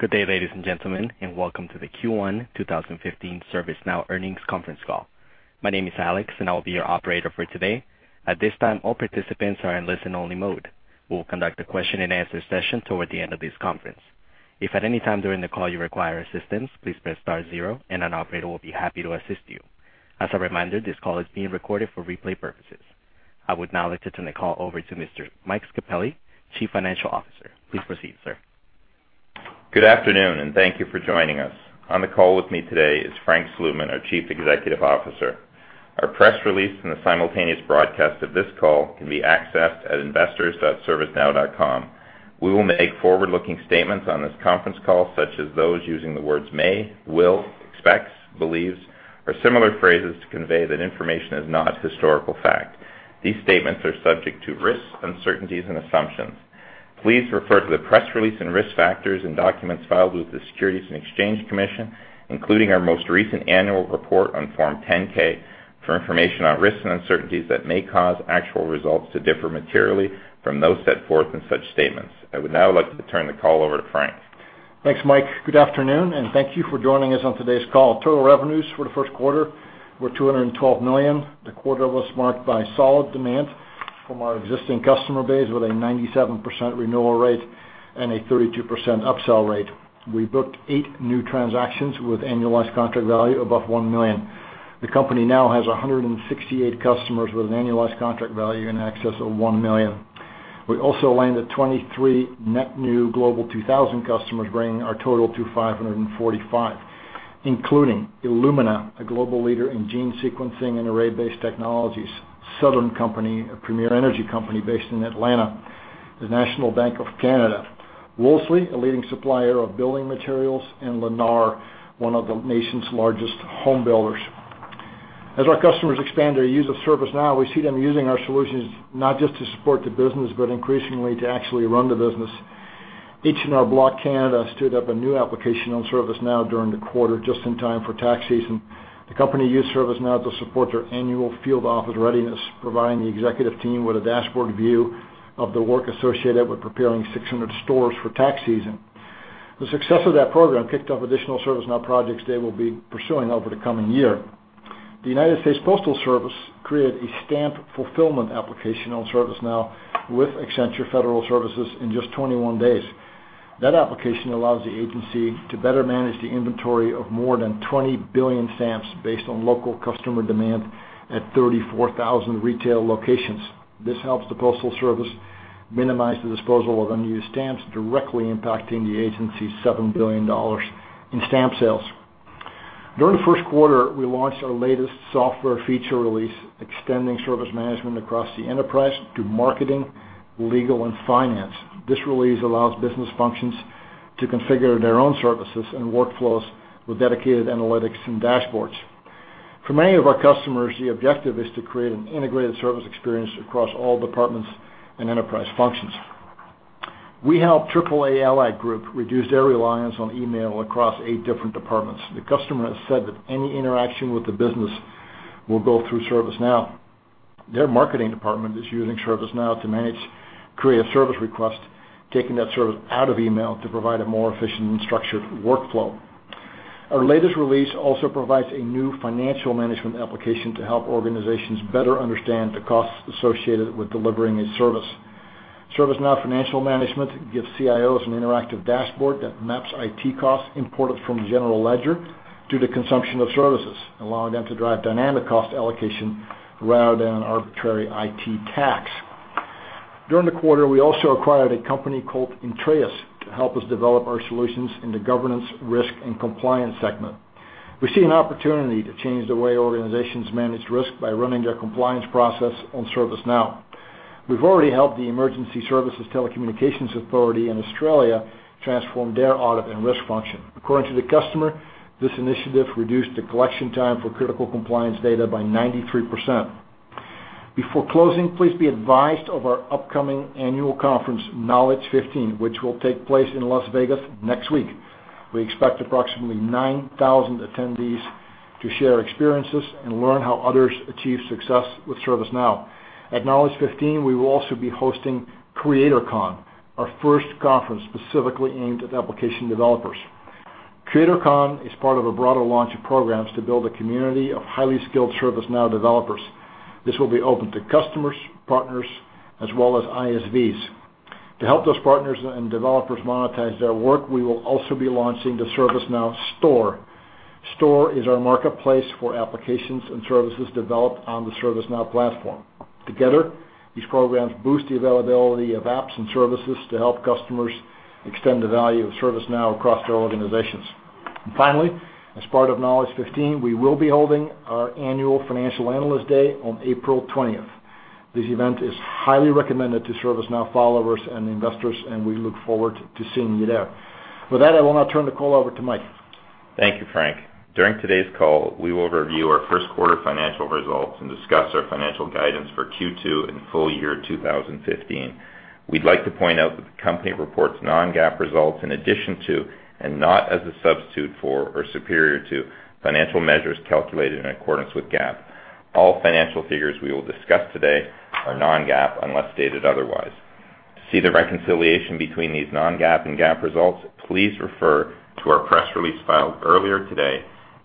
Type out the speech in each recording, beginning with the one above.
Good day, ladies and gentlemen, and welcome to the Q1 2015 ServiceNow earnings conference call. My name is Alex, and I will be your operator for today. At this time, all participants are in listen only mode. We will conduct a question and answer session toward the end of this conference. If at any time during the call you require assistance, please press star zero and an operator will be happy to assist you. As a reminder, this call is being recorded for replay purposes. I would now like to turn the call over to Mr. Michael Scarpelli, Chief Financial Officer. Please proceed, sir. Good afternoon, and thank you for joining us. On the call with me today is Frank Slootman, our Chief Executive Officer. Our press release and the simultaneous broadcast of this call can be accessed at investors.servicenow.com. We will make forward-looking statements on this conference call, such as those using the words may, will, expects, believes, or similar phrases to convey that information is not historical fact. These statements are subject to risks, uncertainties, and assumptions. Please refer to the press release and risk factors and documents filed with the Securities and Exchange Commission, including our most recent annual report on Form 10-K, for information on risks and uncertainties that may cause actual results to differ materially from those set forth in such statements. I would now like to turn the call over to Frank. Thanks, Mike. Good afternoon, and thank you for joining us on today's call. Total revenues for the first quarter were $212 million. The quarter was marked by solid demand from our existing customer base, with a 97% renewal rate and a 32% upsell rate. We booked eight new transactions with annualized contract value above $1 million. The company now has 168 customers with an annualized contract value in excess of $1 million. We also landed 23 net new Global 2000 customers, bringing our total to 545, including Illumina, a global leader in gene sequencing and array-based technologies, Southern Company, a premier energy company based in Atlanta, the National Bank of Canada, Wolseley, a leading supplier of building materials, and Lennar, one of the nation's largest home builders. As our customers expand their use of ServiceNow, we see them using our solutions not just to support the business, but increasingly to actually run the business. H&R Block Canada stood up a new application on ServiceNow during the quarter, just in time for tax season. The company used ServiceNow to support their annual field office readiness, providing the executive team with a dashboard view of the work associated with preparing 600 stores for tax season. The success of that program kicked off additional ServiceNow projects they will be pursuing over the coming year. The United States Postal Service created a stamp fulfillment application on ServiceNow with Accenture Federal Services in just 21 days. That application allows the agency to better manage the inventory of more than 20 billion stamps based on local customer demand at 34,000 retail locations. This helps the United States Postal Service minimize the disposal of unused stamps, directly impacting the agency's $7 billion in stamp sales. During the first quarter, we launched our latest software feature release, extending service management across the enterprise to marketing, legal, and finance. This release allows business functions to configure their own services and workflows with dedicated analytics and dashboards. For many of our customers, the objective is to create an integrated service experience across all departments and enterprise functions. We helped AAA Allied Group reduce their reliance on email across eight different departments. The customer has said that any interaction with the business will go through ServiceNow. Their marketing department is using ServiceNow to manage creative service requests, taking that service out of email to provide a more efficient and structured workflow. Our latest release also provides a new financial management application to help organizations better understand the costs associated with delivering a service. ServiceNow Financial Management gives CIOs an interactive dashboard that maps IT costs imported from the general ledger to the consumption of services, allowing them to drive dynamic cost allocation rather than an arbitrary IT tax. During the quarter, we also acquired a company called Intréis to help us develop our solutions in the Governance, Risk, and Compliance segment. We see an opportunity to change the way organizations manage risk by running their compliance process on ServiceNow. We've already helped the Emergency Services Telecommunications Authority in Australia transform their audit and risk function. According to the customer, this initiative reduced the collection time for critical compliance data by 93%. Before closing, please be advised of our upcoming annual conference, Knowledge15, which will take place in Las Vegas next week. We expect approximately 9,000 attendees to share experiences and learn how others achieve success with ServiceNow. At Knowledge15, we will also be hosting CreatorCon, our first conference specifically aimed at application developers. CreatorCon is part of a broader launch of programs to build a community of highly skilled ServiceNow developers. This will be open to customers, partners, as well as ISVs. To help those partners and developers monetize their work, we will also be launching the ServiceNow Store. Store is our marketplace for applications and services developed on the ServiceNow platform. Together, these programs boost the availability of apps and services to help customers extend the value of ServiceNow across their organizations. And finally, as part of Knowledge15, we will be holding our annual Financial Analyst Day on April 20th. This event is highly recommended to ServiceNow followers and investors, and we look forward to seeing you there. With that, I will now turn the call over to Mike. Thank you, Frank. During today's call, we will review our first quarter financial results and discuss our financial guidance for Q2 and full year 2015. We'd like to point out that the company reports non-GAAP results in addition to, and not as a substitute for or superior to, financial measures calculated in accordance with GAAP. All financial figures we will discuss today are non-GAAP, unless stated otherwise. To see the reconciliation between these non-GAAP and GAAP results, please refer to our press release filed earlier today,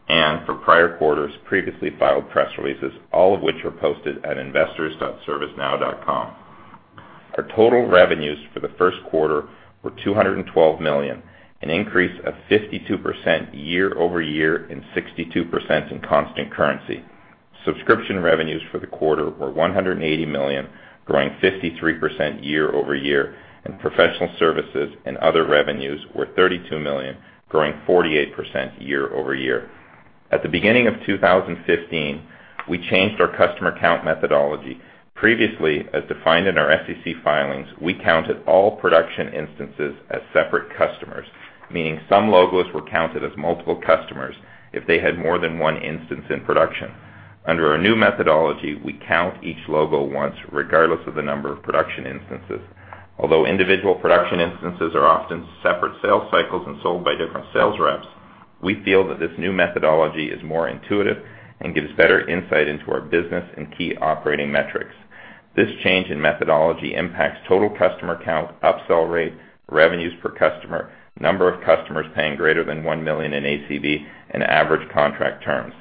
and for prior quarters, previously filed press releases, all of which are posted at investors.servicenow.com. Our total revenues for the first quarter were $212 million, an increase of 52% year-over-year and 62% in constant currency. Subscription revenues for the quarter were $180 million, growing 53% year-over-year, and professional services and other revenues were $32 million, growing 48% year-over-year. At the beginning of 2015, we changed our customer count methodology. Previously, as defined in our SEC filings, we counted all production instances as separate customers, meaning some logos were counted as multiple customers if they had more than one instance in production. Under our new methodology, we count each logo once, regardless of the number of production instances. Although individual production instances are often separate sales cycles and sold by different sales reps, we feel that this new methodology is more intuitive and gives better insight into our business and key operating metrics. This change in methodology impacts total customer count, upsell rate, revenues per customer, number of customers paying greater than $1 million in ACV, and average contract terms.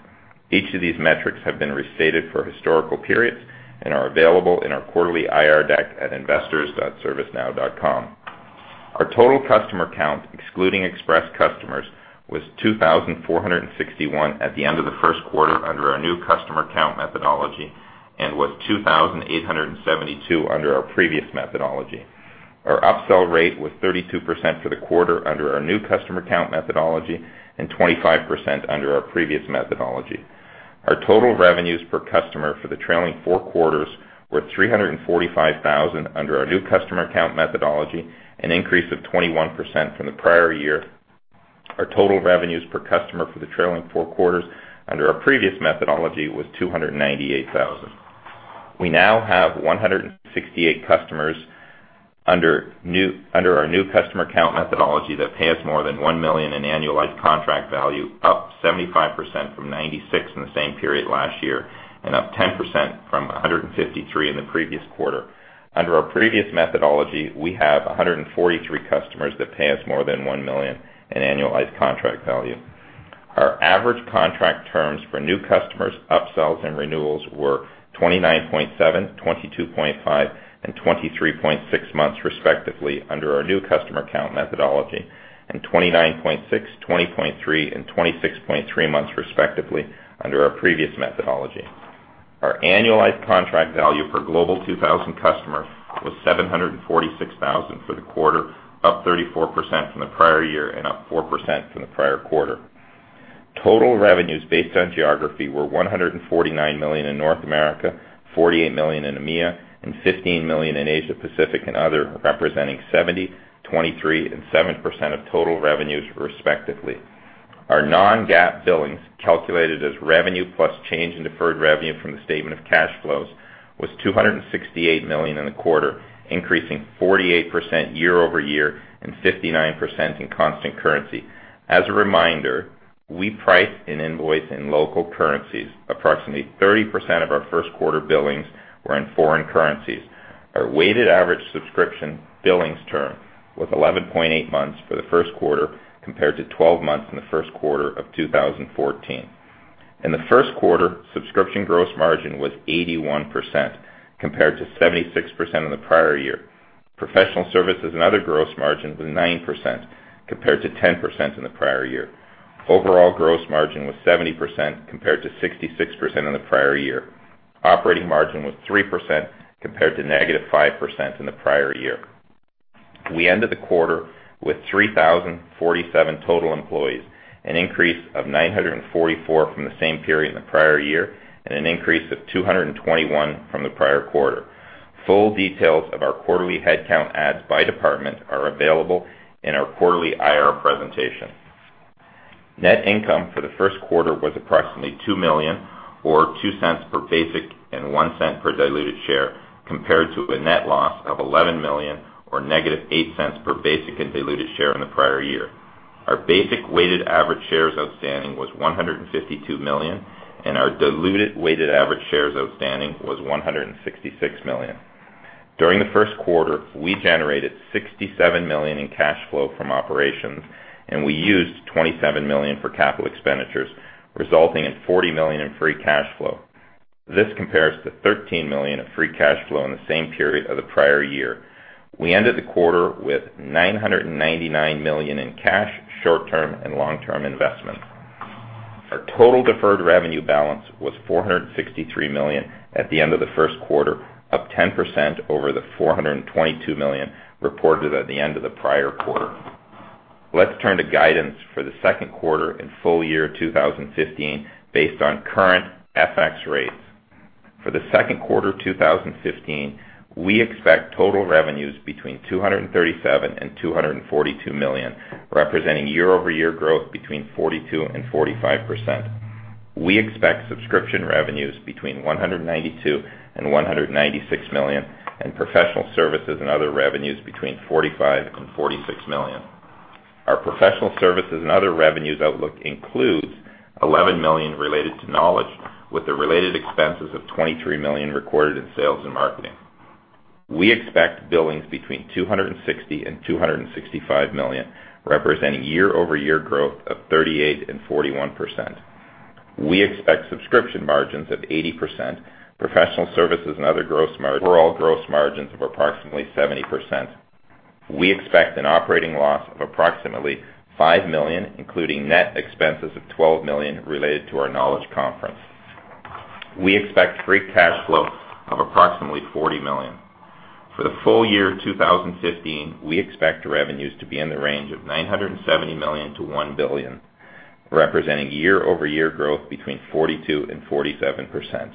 Each of these metrics have been restated for historical periods and are available in our quarterly IR deck at investors.servicenow.com. Our total customer count, excluding express customers, was 2,461 at the end of the first quarter under our new customer count methodology and was 2,872 under our previous methodology. Our upsell rate was 32% for the quarter under our new customer count methodology and 25% under our previous methodology. Our total revenues per customer for the trailing four quarters were $345,000 under our new customer count methodology, an increase of 21% from the prior year. Our total revenues per customer for the trailing four quarters under our previous methodology was $298,000. We now have 168 customers under our new customer count methodology that pay us more than $1 million in annualized contract value, up 75% from 96 in the same period last year, and up 10% from 153 in the previous quarter. Under our previous methodology, we have 143 customers that pay us more than $1 million in annualized contract value. Our average contract terms for new customers, upsells, and renewals were 29.7, 22.5, and 23.6 months, respectively, under our new customer count methodology, and 29.6, 20.3, and 26.3 months, respectively, under our previous methodology. Our annualized contract value per Global 2000 customer was $746,000 for the quarter, up 34% from the prior year and up 4% from the prior quarter. Total revenues based on geography were $149 million in North America, $48 million in EMEA, and $15 million in Asia Pacific and other, representing 70%, 23%, and 7% of total revenues respectively. Our non-GAAP billings, calculated as revenue plus change in deferred revenue from the statement of cash flows, was $268 million in the quarter, increasing 48% year-over-year and 59% in constant currency. As a reminder, we price and invoice in local currencies. Approximately 30% of our first quarter billings were in foreign currencies. Our weighted average subscription billings term was 11.8 months for the first quarter, compared to 12 months in the first quarter of 2014. In the first quarter, subscription gross margin was 81%, compared to 76% in the prior year. Professional services and other gross margin was 9%, compared to 10% in the prior year. Overall gross margin was 70%, compared to 66% in the prior year. Operating margin was 3%, compared to negative 5% in the prior year. We ended the quarter with 3,047 total employees, an increase of 944 from the same period in the prior year, and an increase of 221 from the prior quarter. Full details of our quarterly head count adds by department are available in our quarterly IR presentation. Net income for the first quarter was approximately $2 million, or $0.02 per basic and $0.01 per diluted share, compared to a net loss of $11 million or negative $0.08 per basic and diluted share in the prior year. Our basic weighted average shares outstanding was 152 million, and our diluted weighted average shares outstanding was 166 million. During the first quarter, we generated $67 million in cash flow from operations, and we used $27 million for capital expenditures, resulting in $40 million in free cash flow. This compares to $13 million of free cash flow in the same period of the prior year. We ended the quarter with $999 million in cash, short-term, and long-term investments. Our total deferred revenue balance was $463 million at the end of the first quarter, up 10% over the $422 million reported at the end of the prior quarter. Let's turn to guidance for the second quarter and full year 2015 based on current FX rates. For the second quarter of 2015, we expect total revenues between $237 million and $242 million, representing year-over-year growth between 42% and 45%. We expect subscription revenues between $192 million and $196 million, and professional services and other revenues between $45 million and $46 million. Our professional services and other revenues outlook includes $11 million related to Knowledge, with the related expenses of $23 million recorded in sales and marketing. We expect billings between $260 million and $265 million, representing year-over-year growth of 38% and 41%. We expect subscription margins of 80%, professional services and other gross margin, overall gross margins of approximately 70%. We expect an operating loss of approximately $5 million, including net expenses of $12 million related to our Knowledge conference. We expect free cash flow of approximately $40 million. For the full year 2015, we expect revenues to be in the range of $970 million to $1 billion, representing year-over-year growth between 42% and 47%.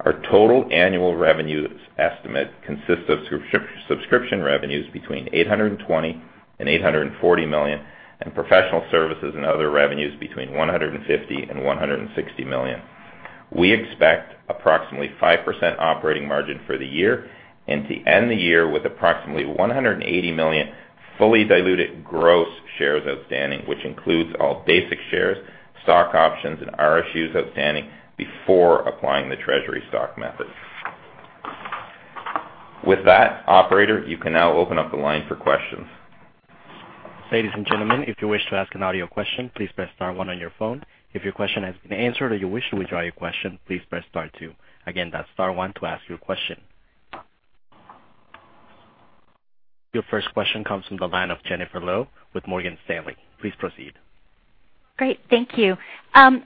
Our total annual revenue estimate consists of subscription revenues between $820 million and $840 million, and professional services and other revenues between $150 million and $160 million. We expect approximately 5% operating margin for the year, and to end the year with approximately 180 million fully diluted gross shares outstanding, which includes all basic shares, stock options, and RSUs outstanding before applying the treasury stock method. With that, operator, you can now open up the line for questions. Ladies and gentlemen, if you wish to ask an audio question, please press star 1 on your phone. If your question has been answered or you wish to withdraw your question, please press star 2. Again, that's star 1 to ask your question. Your first question comes from the line of Jennifer Lowe with Morgan Stanley. Please proceed. Great, thank you.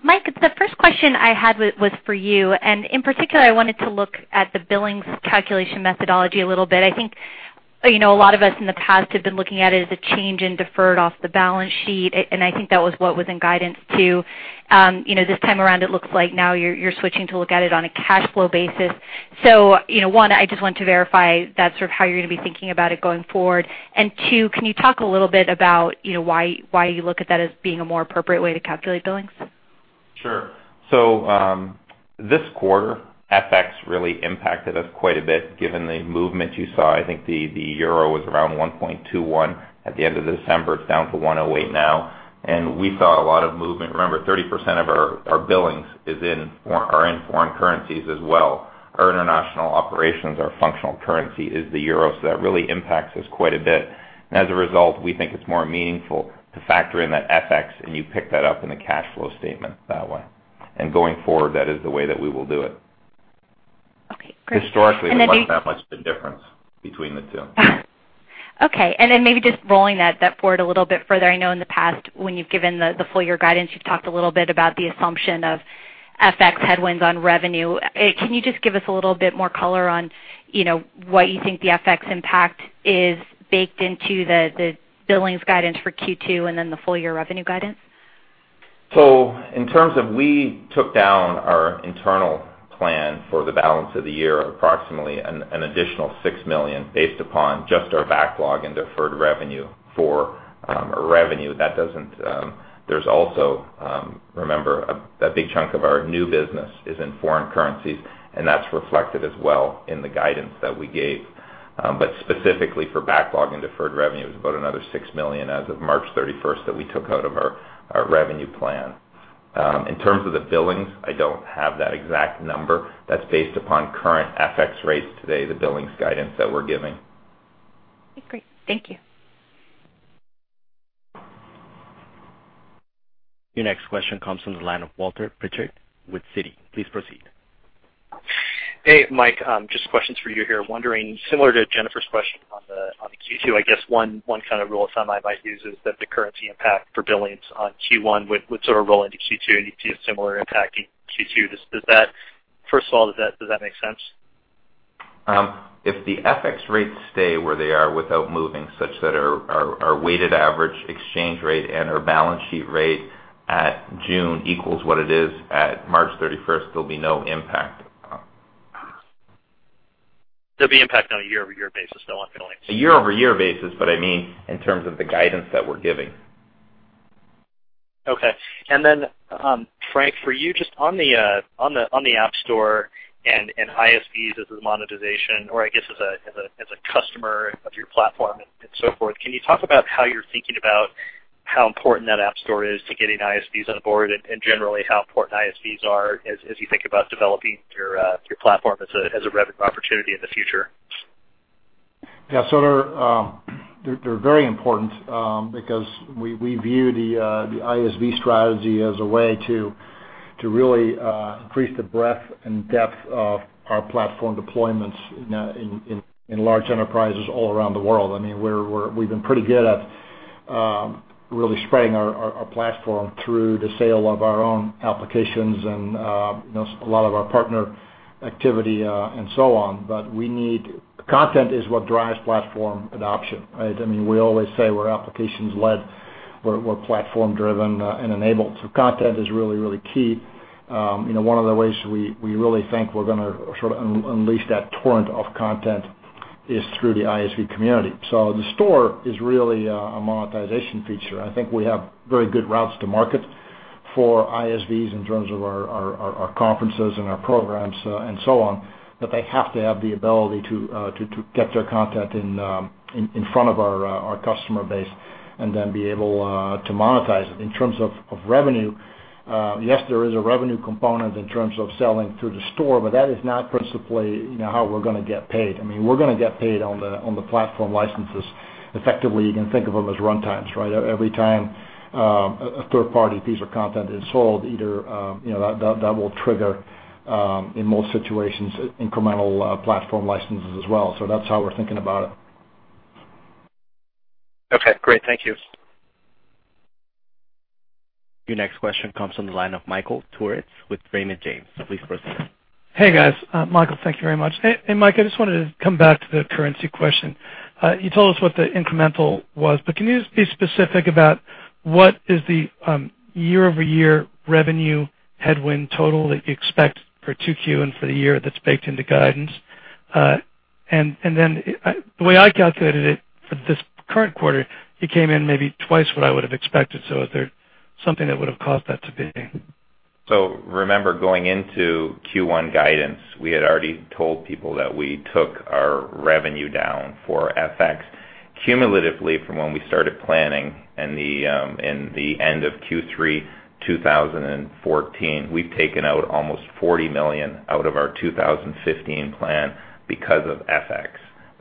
Mike, the first question I had was for you, in particular, I wanted to look at the billings calculation methodology a little bit. I think a lot of us in the past have been looking at it as a change in deferred off the balance sheet, and I think that was what was in guidance too. This time around, it looks like now you're switching to look at it on a cash flow basis. One, I just wanted to verify that's sort of how you're going to be thinking about it going forward. Two, can you talk a little bit about why you look at that as being a more appropriate way to calculate billings? Sure. This quarter, FX really impacted us quite a bit given the movement you saw. I think the euro was around 1.21 at the end of December. It's down to 1.08 now. We saw a lot of movement. Remember, 30% of our billings are in foreign currencies as well. Our international operations, our functional currency is the euro, so that really impacts us quite a bit. As a result, we think it's more meaningful to factor in that FX, and you pick that up in the cash flow statement that way. Going forward, that is the way that we will do it. Okay, great. Historically, there wasn't that much of a difference between the two. Okay, then maybe just rolling that forward a little bit further. I know in the past when you've given the full-year guidance, you've talked a little bit about the assumption of FX headwinds on revenue. Can you just give us a little bit more color on what you think the FX impact is baked into the billings guidance for Q2 and then the full-year revenue guidance? In terms of, we took down our internal plan for the balance of the year approximately an additional $6 million based upon just our backlog and deferred revenue for revenue. There's also, remember, a big chunk of our new business is in foreign currencies, and that's reflected as well in the guidance that we gave. Specifically for backlog and deferred revenue, it was about another $6 million as of March 31st that we took out of our revenue plan. In terms of the billings, I don't have that exact number. That's based upon current FX rates today, the billings guidance that we're giving. Okay, great. Thank you. Your next question comes from the line of Walter Pritchard with Citi. Please proceed. Hey, Mike. Just questions for you here. Wondering, similar to Jennifer's question on the Q2, I guess one kind of rule of thumb I might use is that the currency impact for billings on Q1 would sort of roll into Q2, and you'd see a similar impact in Q2. First of all, does that make sense? If the FX rates stay where they are without moving such that our weighted average exchange rate and our balance sheet rate at June equals what it is at March 31st, there'll be no impact. There'll be impact on a year-over-year basis, though, on billings. A year-over-year basis, I mean in terms of the guidance that we're giving. Okay. Then, Frank, for you, just on the App Store and ISVs as a monetization, or I guess as a customer of your platform and so forth, can you talk about how you're thinking about how important that App Store is to getting ISVs on board, and generally how important ISVs are as you think about developing your platform as a revenue opportunity in the future? Yeah. They're very important, because we view the ISV strategy as a way to really increase the breadth and depth of our platform deployments in large enterprises all around the world. We've been pretty good at really spreading our platform through the sale of our own applications and a lot of our partner activity and so on. Content is what drives platform adoption, right? We always say we're applications-led, we're platform-driven and enabled. Content is really, really key. One of the ways we really think we're going to sort of unleash that torrent of content is through the ISV community. The store is really a monetization feature. I think we have very good routes to market For ISVs in terms of our conferences and our programs, and so on, that they have to have the ability to get their content in front of our customer base and then be able to monetize it. In terms of revenue, yes, there is a revenue component in terms of selling through the store, that is not principally how we're going to get paid. We're going to get paid on the platform licenses. Effectively, you can think of them as run times. Every time a third-party piece of content is sold, that will trigger, in most situations, incremental platform licenses as well. That's how we're thinking about it. Okay, great. Thank you. Your next question comes from the line of Michael Turits with Raymond James. Please proceed. Hey, guys. Michael, thank you very much. Hey, Mike, I just wanted to come back to the currency question. You told us what the incremental was, but can you be specific about what is the year-over-year revenue headwind total that you expect for 2Q and for the year that's baked into guidance? And then the way I calculated it for this current quarter, it came in maybe twice what I would have expected. Is there something that would have caused that to be? Remember, going into Q1 guidance, we had already told people that we took our revenue down for FX cumulatively from when we started planning in the end of Q3 2014. We've taken out almost $40 million out of our 2015 plan because of FX.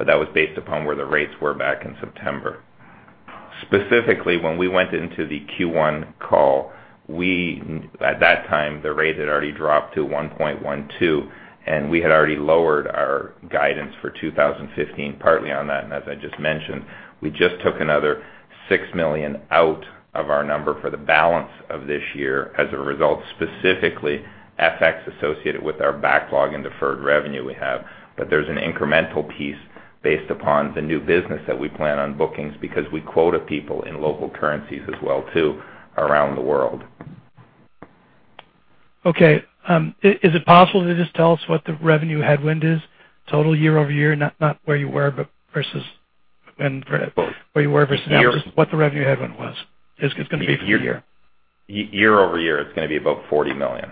That was based upon where the rates were back in September. Specifically, when we went into the Q1 call, at that time, the rate had already dropped to 1.12, and we had already lowered our guidance for 2015 partly on that, and as I just mentioned. We just took another $6 million out of our number for the balance of this year as a result, specifically FX associated with our backlog and deferred revenue we have. There's an incremental piece based upon the new business that we plan on bookings because we quote people in local currencies as well, too, around the world. Okay. Is it possible to just tell us what the revenue headwind is total year-over-year, not where you were, but versus now, just what the revenue headwind was? It's going to be for the year. Year-over-year, it's going to be about $40 million.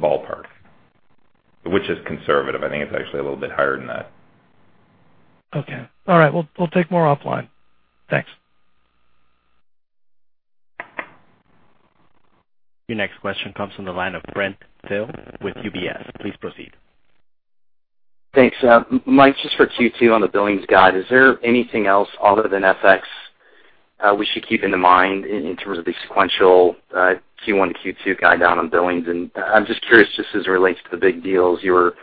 Ballpark. Which is conservative. I think it's actually a little bit higher than that. Okay. All right. We'll take more offline. Thanks. Your next question comes from the line of Brent Thill with UBS. Please proceed. Thanks, Mike. Just for Q2 on the billings guide, is there anything else other than FX we should keep in mind in terms of the sequential Q1 to Q2 guide down on billings? I'm just curious, just as it relates to the big deals, you were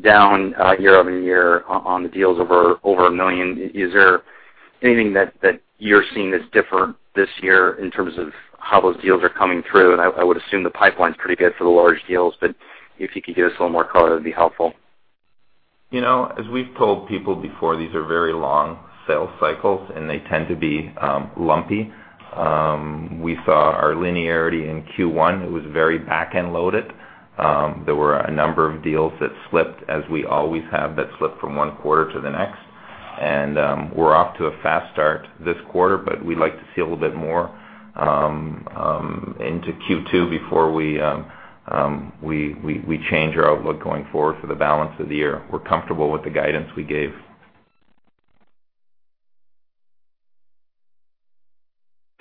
down year-over-year on the deals over $1 million. I would assume the pipeline's pretty good for the large deals, but if you could give us a little more color, that would be helpful. As we've told people before, these are very long sales cycles, and they tend to be lumpy. We saw our linearity in Q1, it was very back-end loaded. There were a number of deals that slipped, as we always have, that slipped from one quarter to the next. We're off to a fast start this quarter, but we'd like to see a little bit more into Q2 before we change our outlook going forward for the balance of the year. We're comfortable with the guidance we gave.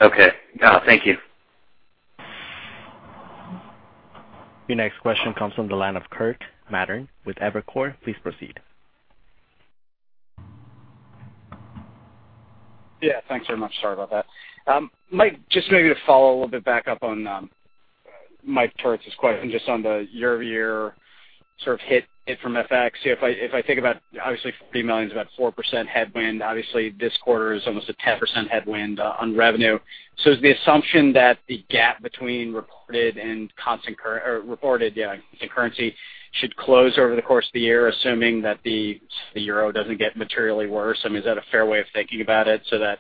Okay. Thank you. Your next question comes from the line of Kirk Materne with Evercore. Please proceed. Yeah, thanks very much. Sorry about that. Michael, just maybe to follow a little bit back up on Michael Turits's question, just on the year-over-year sort of hit from FX. If I think about, obviously, $40 million is about 4% headwind. Obviously, this quarter is almost a 10% headwind on revenue. Is the assumption that the gap between reported and constant currency should close over the course of the year, assuming that the euro doesn't get materially worse? Is that a fair way of thinking about it, so that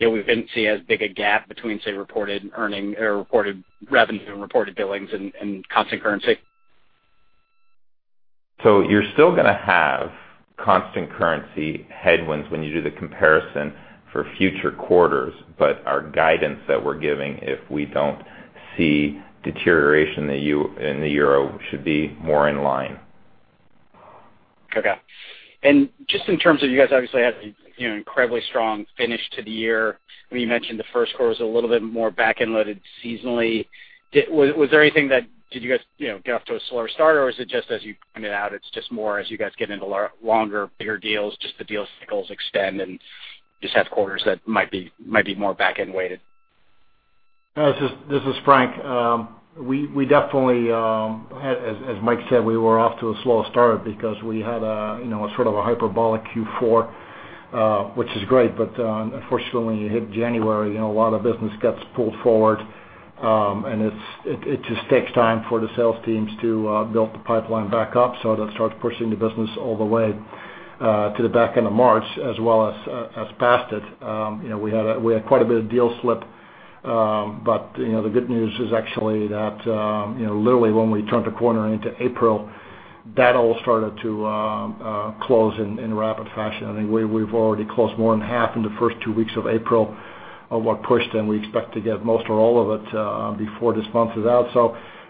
we didn't see as big a gap between, say, reported revenue and reported billings and constant currency? You're still going to have constant currency headwinds when you do the comparison for future quarters. Our guidance that we're giving, if we don't see deterioration in the euro, should be more in line. Okay. Just in terms of, you guys obviously had an incredibly strong finish to the year. When you mentioned the first quarter was a little bit more back-end loaded seasonally. Did you guys get off to a slower start? Or is it just, as you pointed out, it's just more as you guys get into longer, bigger deals, just the deal cycles extend and just have quarters that might be more back-end weighted? This is Frank. We definitely, as Mike said, we were off to a slow start because we had a sort of a hyperbolic Q4, which is great, but unfortunately, when you hit January, a lot of business gets pulled forward, and it just takes time for the sales teams to build the pipeline back up so that it starts pushing the business all the way to the back end of March as well as past it. We had quite a bit of deal slip, the good news is actually that literally when we turned the corner into April That all started to close in rapid fashion. I think we've already closed more than half in the first 2 weeks of April of what pushed, we expect to get most or all of it before this month is out.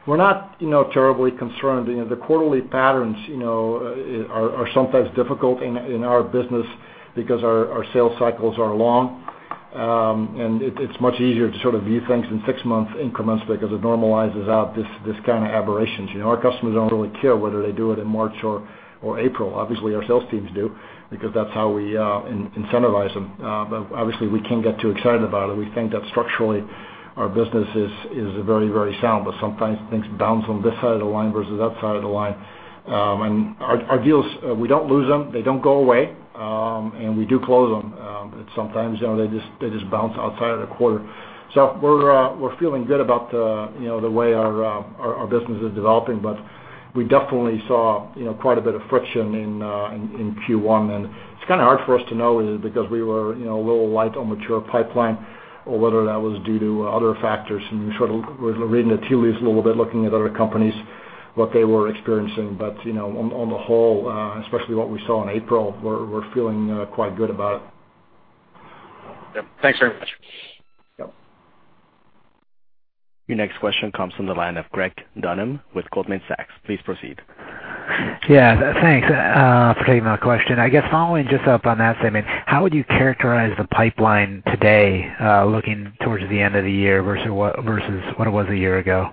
We're not terribly concerned. The quarterly patterns are sometimes difficult in our business because our sales cycles are long. It's much easier to view things in 6-month increments because it normalizes out these kinds of aberrations. Our customers don't really care whether they do it in March or April. Obviously, our sales teams do, because that's how we incentivize them. Obviously, we can't get too excited about it. We think that structurally, our business is very sound. Sometimes things bounce on this side of the line versus that side of the line. Our deals, we don't lose them. They don't go away. We do close them. Sometimes, they just bounce outside of the quarter. We're feeling good about the way our business is developing, but we definitely saw quite a bit of friction in Q1. It's kind of hard for us to know, is it because we were a little light on mature pipeline or whether that was due to other factors? We're reading the tea leaves a little bit, looking at other companies, what they were experiencing. On the whole, especially what we saw in April, we're feeling quite good about it. Yep. Thanks very much. Yep. Your next question comes from the line of Greg Dunham with Goldman Sachs. Please proceed. Yeah, thanks for taking my question. I guess following just up on that statement, how would you characterize the pipeline today, looking towards the end of the year versus what it was a year ago?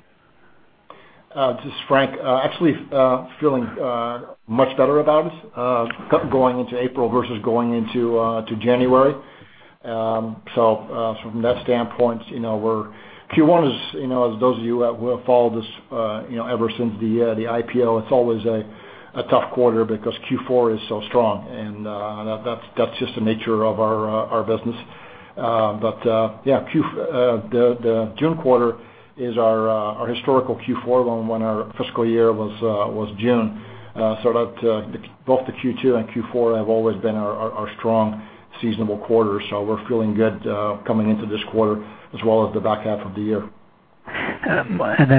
This is Frank. Actually, feeling much better about us, going into April versus going into January. From that standpoint, Q1 is, as those of you who have followed us ever since the IPO, it's always a tough quarter because Q4 is so strong, and that's just the nature of our business. Yeah, the June quarter is our historical Q4 one when our fiscal year was June. That both the Q2 and Q4 have always been our strong seasonable quarters. We're feeling good coming into this quarter as well as the back half of the year.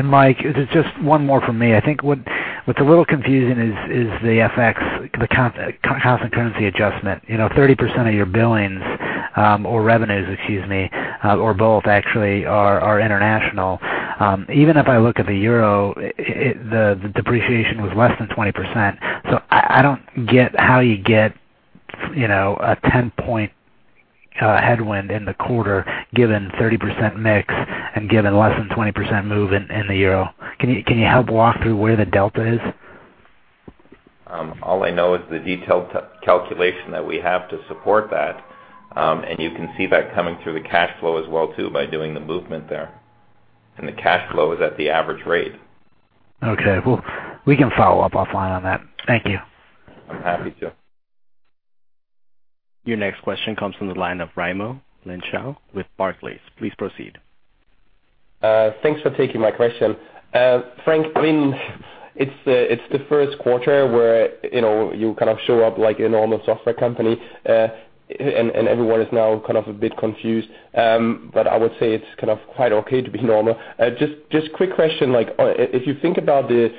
Mike, just one more from me. I think what's a little confusing is the FX, the currency adjustment. 30% of your billings or revenues, excuse me, or both actually are international. Even if I look at the euro, the depreciation was less than 20%. I don't get how you get a 10-point headwind in the quarter given 30% mix and given less than 20% move in the euro. Can you help walk through where the delta is? All I know is the detailed calculation that we have to support that. You can see that coming through the cash flow as well too by doing the movement there. The cash flow is at the average rate. Okay. Well, we can follow up offline on that. Thank you. I'm happy to. Your next question comes from the line of Raimo Lenschow with Barclays. Please proceed. Thanks for taking my question. Frank, it's the first quarter where you kind of show up like a normal software company, and everyone is now kind of a bit confused. I would say it's kind of quite okay to be normal. Just quick question, if you think about the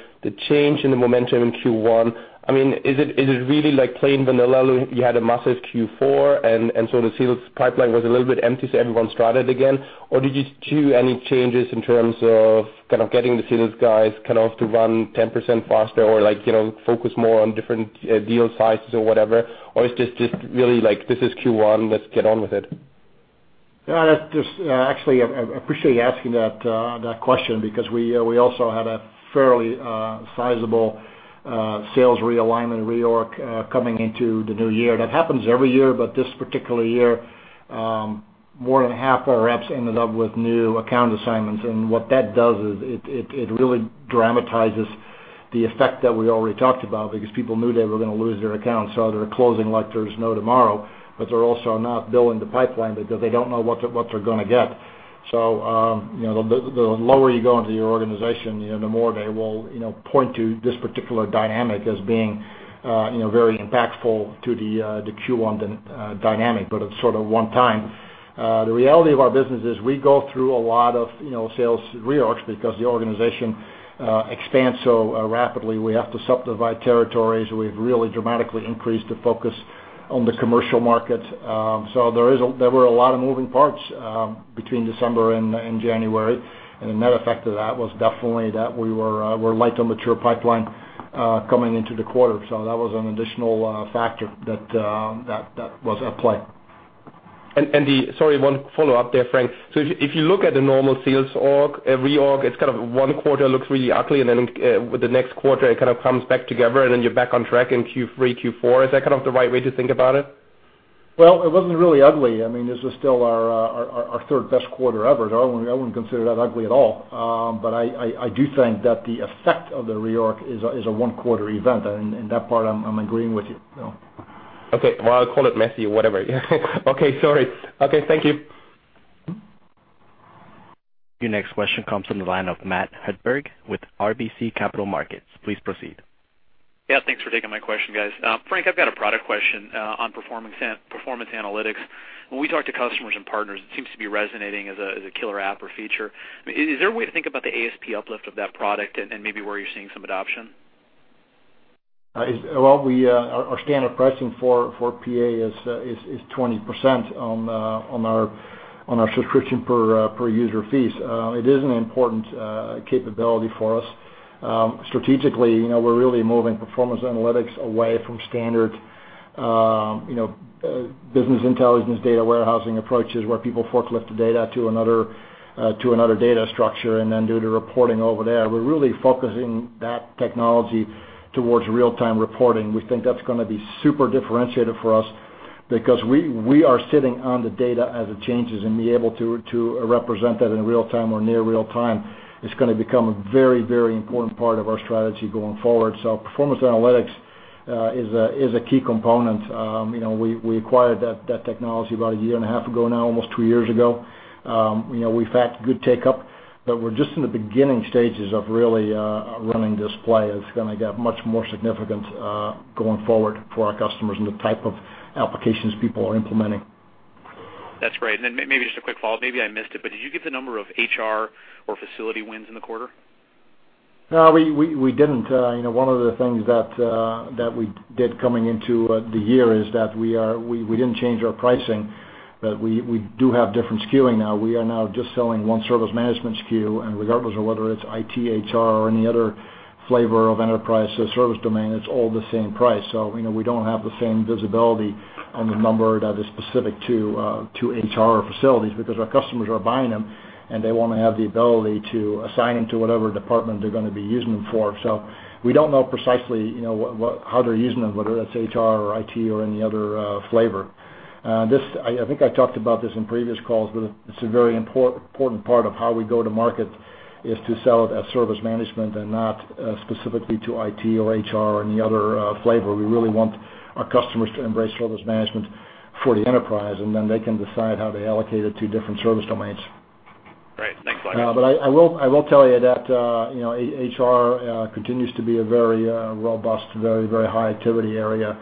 change in the momentum in Q1, is it really like playing vanilla? You had a massive Q4, and so the sales pipeline was a little bit empty, so everyone started again? Did you do any changes in terms of kind of getting the sales guys kind of to run 10% faster or focus more on different deal sizes or whatever? Is this just really like, this is Q1, let's get on with it? Yeah, just actually, I appreciate you asking that question because we also had a fairly sizable sales realignment reorg coming into the new year. That happens every year, this particular year, more than half our reps ended up with new account assignments. What that does is it really dramatizes the effect that we already talked about because people knew they were going to lose their accounts, so they're closing like there's no tomorrow, but they're also not billing the pipeline because they don't know what they're going to get. The lower you go into your organization, the more they will point to this particular dynamic as being very impactful to the Q1 dynamic, but it's sort of one time. The reality of our business is we go through a lot of sales reorgs because the organization expands so rapidly. We have to subdivide territories. We've really dramatically increased the focus on the commercial market. There were a lot of moving parts between December and January. The net effect of that was definitely that we were light on mature pipeline coming into the quarter. That was an additional factor that was at play. Sorry, one follow-up there, Frank. If you look at the normal sales reorg, it's kind of one quarter looks really ugly, and then with the next quarter, it kind of comes back together, and then you're back on track in Q3, Q4. Is that kind of the right way to think about it? Well, it wasn't really ugly. This is still our third-best quarter ever. I wouldn't consider that ugly at all. I do think that the effect of the reorg is a one-quarter event. That part I'm agreeing with you. Okay. Well, I'll call it messy or whatever. Okay, sorry. Okay, thank you. Your next question comes from the line of Matthew Hedberg with RBC Capital Markets. Please proceed. Yeah, thanks for taking my question, guys. Frank, I've got a product question on Performance Analytics. When we talk to customers and partners, it seems to be resonating as a killer app or feature. Is there a way to think about the ASP uplift of that product and maybe where you're seeing some adoption? Well, our standard pricing for PA is 20% on our subscription per user fees. It is an important capability for us. Strategically, we're really moving Performance Analytics away from standard business intelligence data warehousing approaches where people forklift the data to another data structure and then do the reporting over there. We're really focusing that technology towards real-time reporting. We think that's going to be super differentiated for us because we are sitting on the data as it changes and be able to represent that in real time or near real time. It's going to become a very important part of our strategy going forward. Performance Analytics is a key component. We acquired that technology about a year and a half ago now, almost two years ago. We've had good take-up, but we're just in the beginning stages of really running this play. It's going to get much more significant going forward for our customers and the type of applications people are implementing. That's great. Then maybe just a quick follow-up. Maybe I missed it, but did you give the number of HR or facilities wins in the quarter? No, we didn't. One of the things that we did coming into the year is that we didn't change our pricing, but we do have different SKUing now. We are now just selling one service management SKU and regardless of whether it's IT, HR, or any other flavor of enterprise service domain, it's all the same price. We don't have the same visibility on the number that is specific to HR or facilities because our customers are buying them and they want to have the ability to assign them to whatever department they're going to be using them for. We don't know precisely how they're using them, whether that's HR or IT or any other flavor. I think I talked about this in previous calls, but it's a very important part of how we go to market is to sell it as service management and not specifically to IT or HR or any other flavor. We really want our customers to embrace service management for the enterprise and then they can decide how to allocate it to different service domains. Great. Thanks a lot. I will tell you that HR continues to be a very robust, very high activity area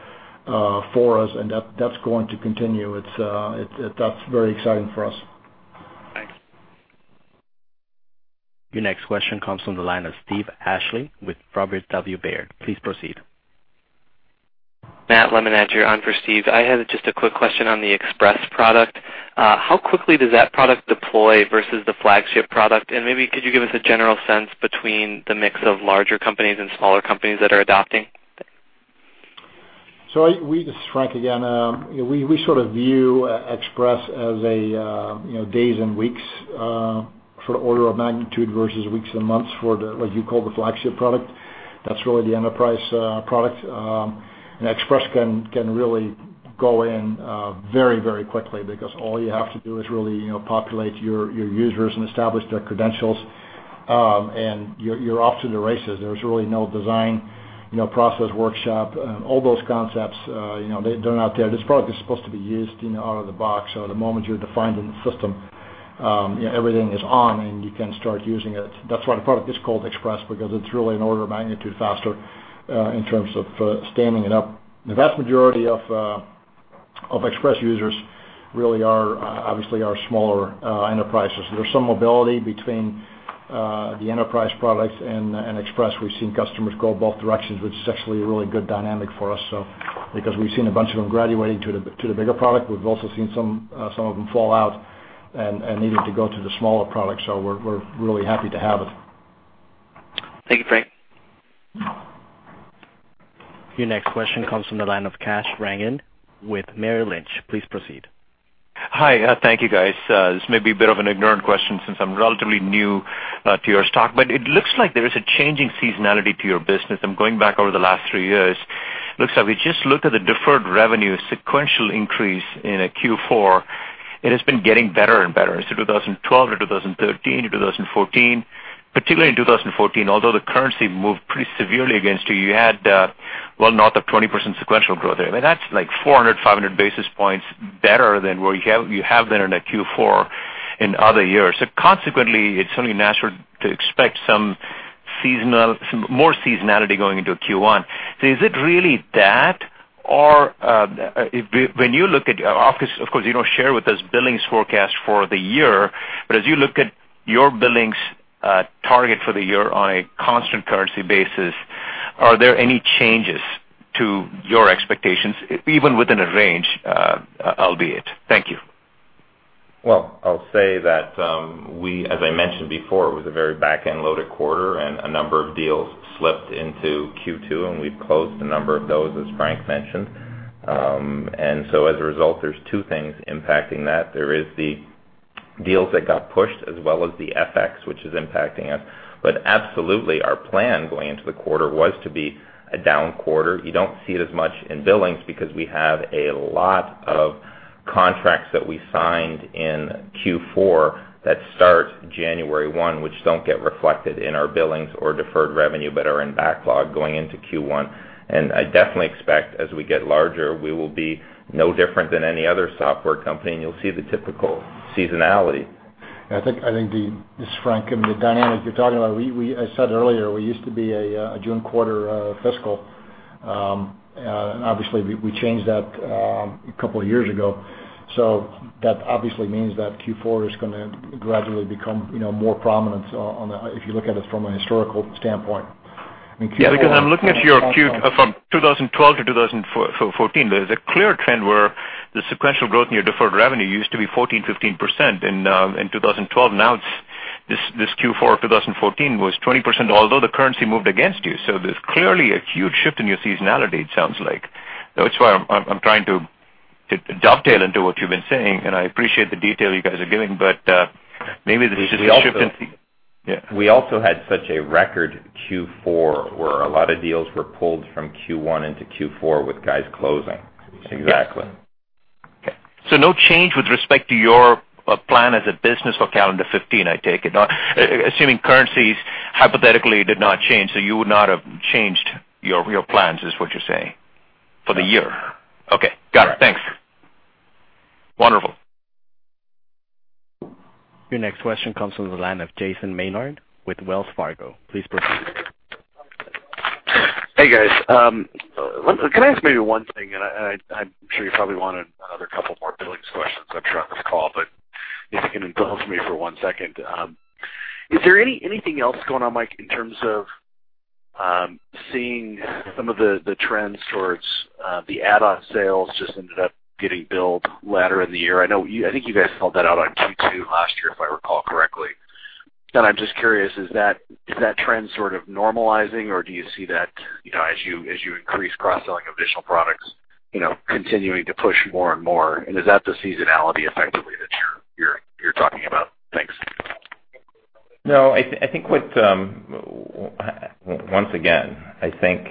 for us and that's going to continue. That's very exciting for us. Thanks. Your next question comes from the line of Steve Ashley with Robert W. Baird. Please proceed. Matt Lemmon, I'm on for Steve. I had just a quick question on the Express product. How quickly does that product deploy versus the flagship product? Maybe could you give us a general sense between the mix of larger companies and smaller companies that are adopting? This is Frank again. We sort of view Express as days and weeks sort of order of magnitude versus weeks and months for what you call the flagship product. That's really the enterprise product. Express can really go in very quickly because all you have to do is really populate your users and establish their credentials, and you're off to the races. There's really no design process workshop and all those concepts they're not there. This product is supposed to be used out of the box. The moment you're defined in the system everything is on and you can start using it. That's why the product is called Express because it's really an order of magnitude faster in terms of standing it up. The vast majority of Express users really are obviously our smaller enterprises. There's some mobility between the enterprise products and Express. We've seen customers go both directions, which is actually a really good dynamic for us. We've seen a bunch of them graduating to the bigger product. We've also seen some of them fall out and needing to go to the smaller product. We're really happy to have it. Thank you, Frank. Your next question comes from the line of Kash Rangan with Merrill Lynch. Please proceed. Hi, thank you guys. This may be a bit of an ignorant question since I'm relatively new to your stock, but it looks like there is a changing seasonality to your business. I'm going back over the last three years. Looks like we just looked at the deferred revenue sequential increase in a Q4. It has been getting better and better since 2012 to 2013 to 2014. Particularly in 2014, although the currency moved pretty severely against you had well north of 20% sequential growth there. That's like 400, 500 basis points better than where you have there in a Q4 in other years. Consequently it's only natural to expect some more seasonality going into a Q1. Is it really that or when you look at your outlook, of course you don't share with us billings forecast for the year, but as you look at your billings target for the year on a constant currency basis, are there any changes to your expectations even within a range, albeit? Thank you. Well, I'll say that, as I mentioned before, it was a very back-end loaded quarter and a number of deals slipped into Q2 and we've closed a number of those, as Frank mentioned. As a result, there's two things impacting that. There is the deals that got pushed as well as the FX which is impacting us. Absolutely our plan going into the quarter was to be a down quarter. You don't see it as much in billings because we have a lot of contracts that we signed in Q4 that start January 1, which don't get reflected in our billings or deferred revenue but are in backlog going into Q1. I definitely expect as we get larger, we will be no different than any other software company and you'll see the typical seasonality. Yeah, I think, this is Frank, and the dynamic you're talking about, I said earlier we used to be a June quarter fiscal. Obviously, we changed that a couple of years ago. That obviously means that Q4 is going to gradually become more prominent if you look at it from a historical standpoint. Because I'm looking at your Q from 2012 to 2014, there is a clear trend where the sequential growth in your deferred revenue used to be 14%-15% in 2012. This Q4 2014 was 20%, although the currency moved against you. There's clearly a huge shift in your seasonality, it sounds like. That's why I'm trying to dovetail into what you've been saying, and I appreciate the detail you guys are giving, but maybe this is a shift in. We also had such a record Q4 where a lot of deals were pulled from Q1 into Q4 with guys closing. Exactly. Okay. No change with respect to your plan as a business for calendar 2015, I take it? Assuming currencies hypothetically did not change, you would not have changed your plans, is what you're saying, for the year? Okay. Got it. Thanks. Wonderful. Your next question comes from the line of Jason Maynard with Wells Fargo. Please proceed. Hey, guys. Can I ask maybe one thing? I'm sure you probably want another couple more billings questions on this call, if you can indulge me for one second. Is there anything else going on, Mike, in terms of seeing some of the trends towards the add-on sales just ended up getting billed later in the year? I think you guys called that out on Q2 last year, if I recall correctly. I'm just curious, is that trend sort of normalizing, or do you see that as you increase cross-selling additional products continuing to push more and more? Is that the seasonality effectively that you're talking about? Thanks. No, once again, I think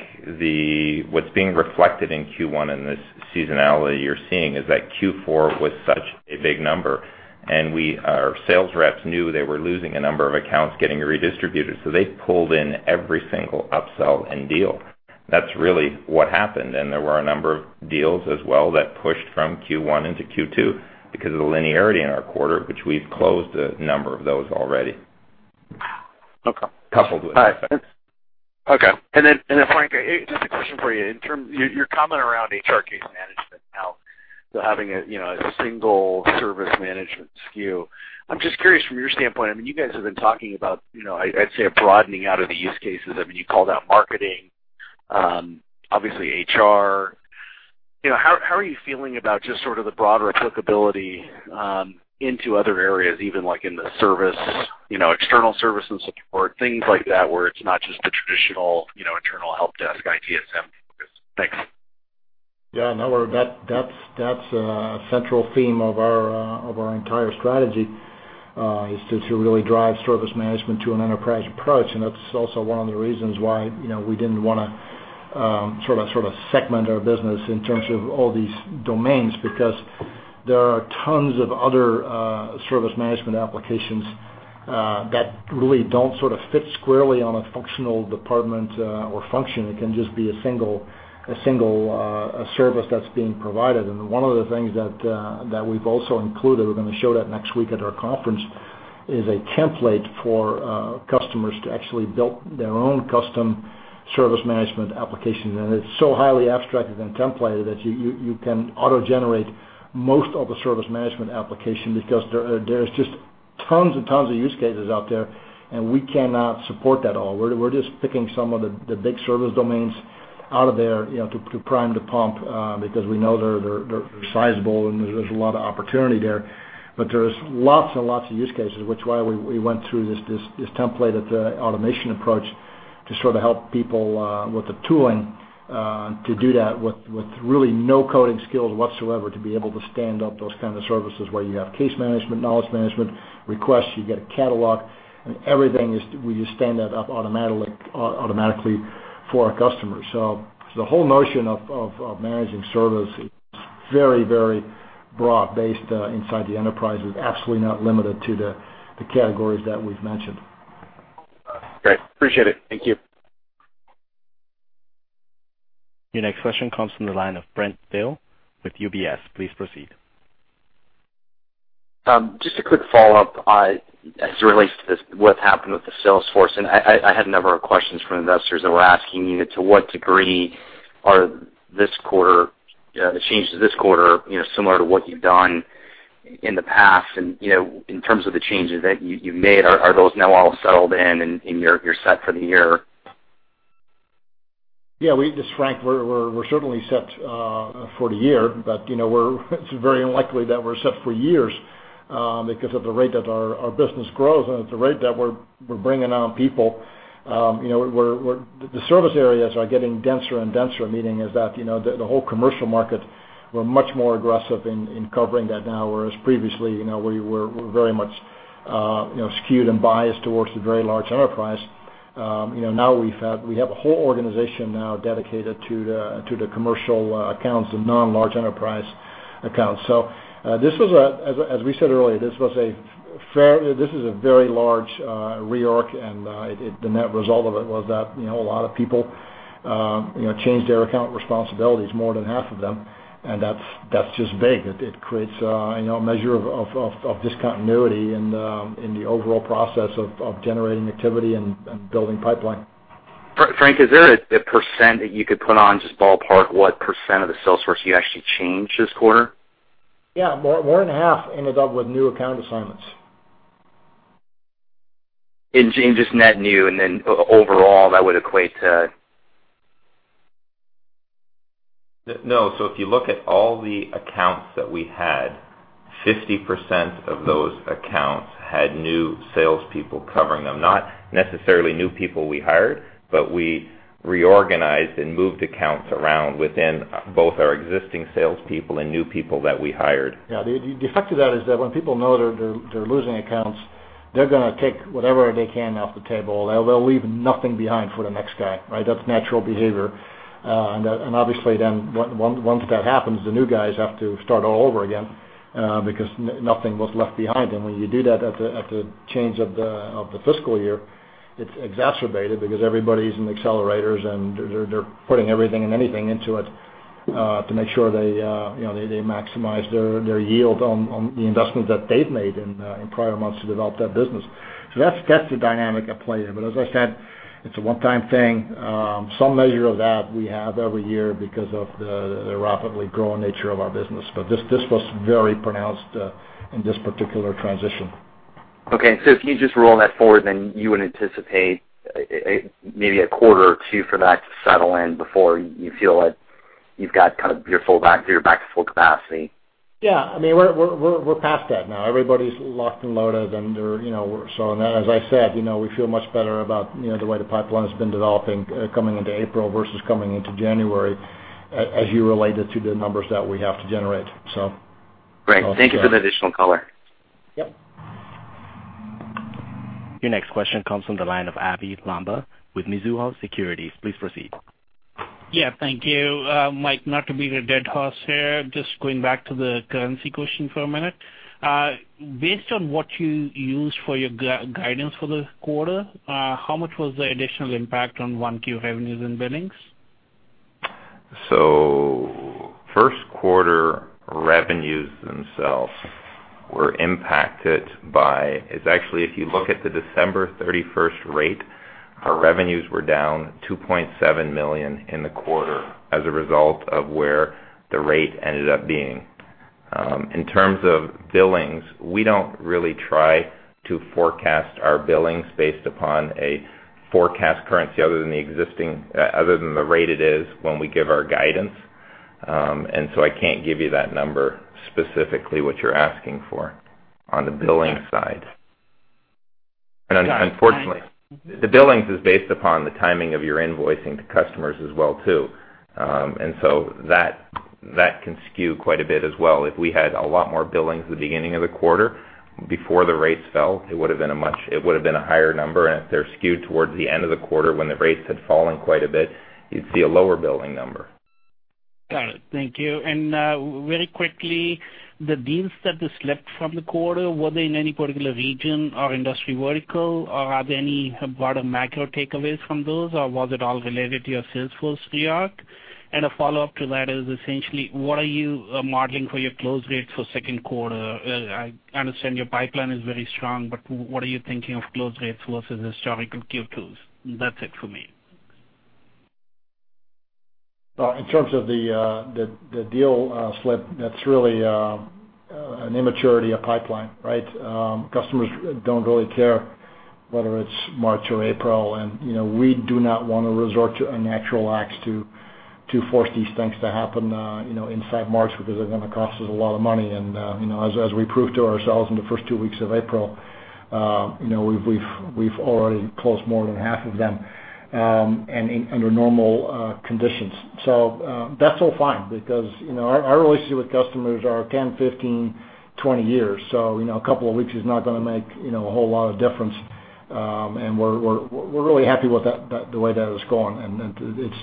what's being reflected in Q1 and this seasonality you're seeing is that Q4 was such a big number. Our sales reps knew they were losing a number of accounts getting redistributed. They pulled in every single upsell and deal. That's really what happened. There were a number of deals as well that pushed from Q1 into Q2 because of the linearity in our quarter, which we've closed a number of those already. Okay. Coupled with that. Okay. Frank, just a question for you. Your comment around HR case management now, so having a single service management SKU. I'm just curious from your standpoint, you guys have been talking about, I'd say, a broadening out of the use cases. You called out marketing, obviously HR. How are you feeling about just sort of the broader applicability into other areas, even like in the service, external service and support, things like that, where it's not just the traditional internal help desk ITSM focus? Thanks. Yeah, no, that's a central theme of our entire strategy, is to really drive service management to an enterprise approach. That's also one of the reasons why we didn't want to sort of segment our business in terms of all these domains, because there are tons of other service management applications that really don't sort of fit squarely on a functional department or function. It can just be a single service that's being provided. One of the things that we've also included, we're going to show that next week at our conference, is a template for customers to actually build their own custom service management application. It's so highly abstracted and templated that you can auto-generate most of the service management application because there's just tons and tons of use cases out there, and we cannot support that all. We're just picking some of the big service domains out of there to prime the pump because we know they're sizable and there's a lot of opportunity there. There's lots and lots of use cases, which is why we went through this templated automation approach to sort of help people with the tooling to do that with really no coding skills whatsoever to be able to stand up those kind of services where you have case management, knowledge management, requests, you get a catalog, everything is, we just stand that up automatically for our customers. The whole notion of managing service is very broad, based inside the enterprise. It's absolutely not limited to the categories that we've mentioned. Great. Appreciate it. Thank you. Your next question comes from the line of Brent Thill with UBS. Please proceed. Just a quick follow-up as it relates to what's happened with the Salesforce. I had a number of questions from investors that were asking you to what degree are the changes this quarter similar to what you've done in the past in terms of the changes that you made? Are those now all settled in and you're set for the year? Yeah. This is Frank. We're certainly set for the year, but it's very unlikely that we're set for years because of the rate that our business grows and at the rate that we're bringing on people. The service areas are getting denser and denser, meaning is that the whole commercial market, we're much more aggressive in covering that now, whereas previously, we were very much skewed and biased towards the very large enterprise. We have a whole organization now dedicated to the commercial accounts and non-large enterprise accounts. As we said earlier, this is a very large re-org, and the net result of it was that a lot of people changed their account responsibilities, more than half of them. That's just big. It creates a measure of discontinuity in the overall process of generating activity and building pipeline. Frank, is there a % that you could put on, just ballpark what % of the Salesforce you actually changed this quarter? Yeah. More than half ended up with new account assignments. In just net new and then overall, that would equate to No. If you look at all the accounts that we had, 50% of those accounts had new salespeople covering them. Not necessarily new people we hired, but we reorganized and moved accounts around within both our existing salespeople and new people that we hired. Yeah. The effect of that is that when people know they're losing accounts, they're going to take whatever they can off the table. They'll leave nothing behind for the next guy, right? That's natural behavior. Obviously then, once that happens, the new guys have to start all over again, because nothing was left behind. When you do that at the change of the fiscal year, it's exacerbated because everybody's in accelerators and they're putting everything and anything into it, to make sure they maximize their yield on the investments that they've made in the prior months to develop that business. That's the dynamic at play here. As I said, it's a one-time thing. Some measure of that we have every year because of the rapidly growing nature of our business. This was very pronounced in this particular transition. Okay. If you just roll that forward, then you would anticipate maybe a quarter or two for that to settle in before you feel that you've got kind of your back to full capacity. Yeah, we're past that now. Everybody's locked and loaded. As I said, we feel much better about the way the pipeline has been developing, coming into April versus coming into January, as you relate it to the numbers that we have to generate. Great. Thank you for the additional color. Yep. Your next question comes from the line of Abhey Lamba with Mizuho Securities. Please proceed. Yeah, thank you. Mike, not to beat a dead horse here, just going back to the currency question for a minute. Based on what you used for your guidance for the quarter, how much was the additional impact on 1Q revenues and billings? First quarter revenues themselves were impacted by. Actually, if you look at the December 31st rate, our revenues were down $2.7 million in the quarter as a result of where the rate ended up being. In terms of billings, we don't really try to forecast our billings based upon a forecast currency other than the rate it is when we give our guidance. I can't give you that number, specifically what you're asking for on the billing side. Unfortunately, the billings is based upon the timing of your invoicing to customers as well too. That can skew quite a bit as well. If we had a lot more billings at the beginning of the quarter before the rates fell, it would've been a higher number, and if they're skewed towards the end of the quarter when the rates had fallen quite a bit, you'd see a lower billing number. Got it. Thank you. Very quickly, the deals that slipped from the quarter, were they in any particular region or industry vertical, or are there any broader macro takeaways from those, or was it all related to your Salesforce reorg? A follow-up to that is essentially what are you modeling for your close rates for second quarter? I understand your pipeline is very strong, but what are you thinking of close rates versus historical Q2s? That's it for me. Well, in terms of the deal slip, that's really an immaturity of pipeline, right? Customers don't really care whether it's March or April and we do not want to resort to unnatural acts to force these things to happen inside March because they're going to cost us a lot of money. As we proved to ourselves in the first two weeks of April, we've already closed more than half of them, under normal conditions. That's all fine because our relationship with customers are 10, 15, 20 years. A couple of weeks is not going to make a whole lot of difference. We're really happy with the way that is going.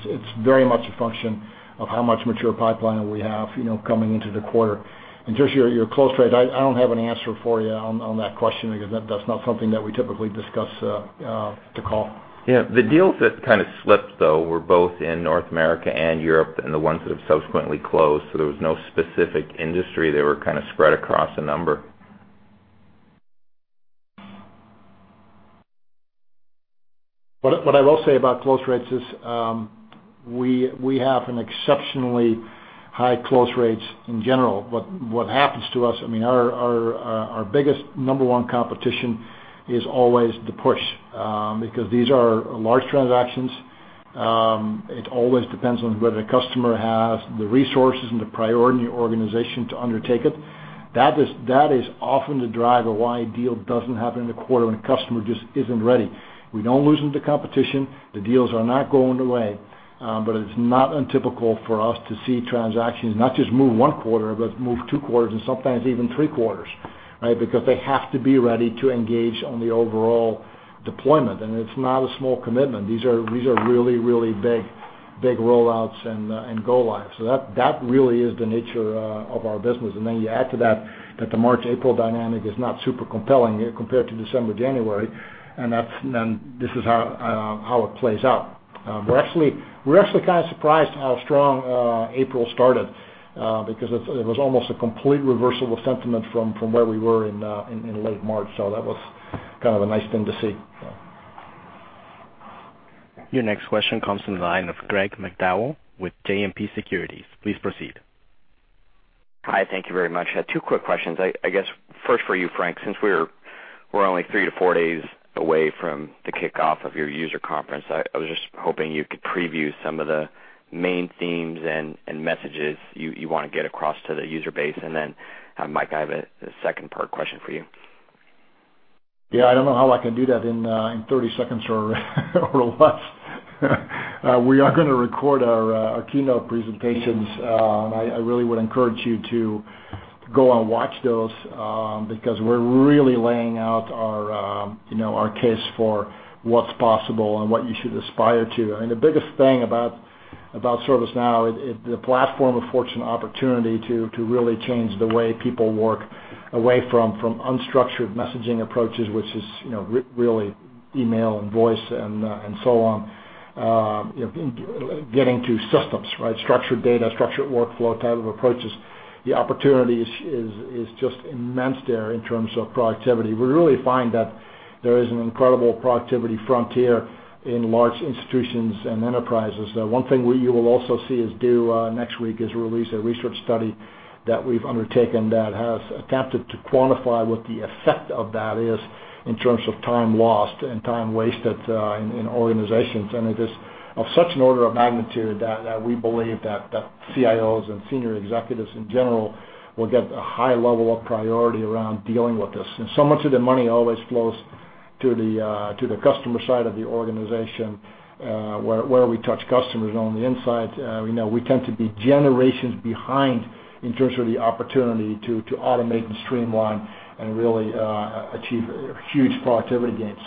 It's very much a function of how much mature pipeline we have coming into the quarter. Your close rates, I don't have an answer for you on that question because that's not something that we typically discuss to call. Yeah. The deals that kind of slipped though were both in North America and Europe and the ones that have subsequently closed, there was no specific industry. They were kind of spread across a number. What I will say about close rates is, we have an exceptionally high close rates in general. What happens to us, our biggest number one competition is always the push. Because these are large transactions, it always depends on whether the customer has the resources and the priority in the organization to undertake it. That is often the driver why a deal doesn't happen in the quarter when a customer just isn't ready. We don't lose them to competition. The deals are not going away. But it's not untypical for us to see transactions, not just move one quarter, but move two quarters and sometimes even three quarters, right? Because they have to be ready to engage on the overall deployment. It's not a small commitment. These are really, really big roll-outs and go lives. That really is the nature of our business. Then you add to that the March-April dynamic is not super compelling compared to December-January. This is how it plays out. We're actually kind of surprised how strong April started, because it was almost a complete reversal of sentiment from where we were in late March. That was kind of a nice thing to see. Your next question comes from the line of Greg McDowell with JMP Securities. Please proceed. Hi. Thank you very much. I had two quick questions. I guess, first for you, Frank, since we're only three to four days away from the kickoff of your user conference, I was just hoping you could preview some of the main themes and messages you want to get across to the user base. Mike, I have a second part question for you. Yeah, I don't know how I can do that in 30 seconds or less. We are going to record our keynote presentations. I really would encourage you to go and watch those, because we're really laying out our case for what's possible and what you should aspire to. The biggest thing about ServiceNow is the platform of fortune opportunity to really change the way people work away from unstructured messaging approaches, which is really email and voice and so on, getting to systems, right? Structured data, structured workflow type of approaches. The opportunity is just immense there in terms of productivity. We really find that there is an incredible productivity frontier in large institutions and enterprises. One thing you will also see is due next week is release a research study that we've undertaken that has attempted to quantify what the effect of that is in terms of time lost and time wasted in organizations. It is of such an order of magnitude that we believe that CIOs and senior executives in general will get a high level of priority around dealing with this. So much of the money always flows to the customer side of the organization, where we touch customers on the inside. We know we tend to be generations behind in terms of the opportunity to automate and streamline and really achieve huge productivity gains.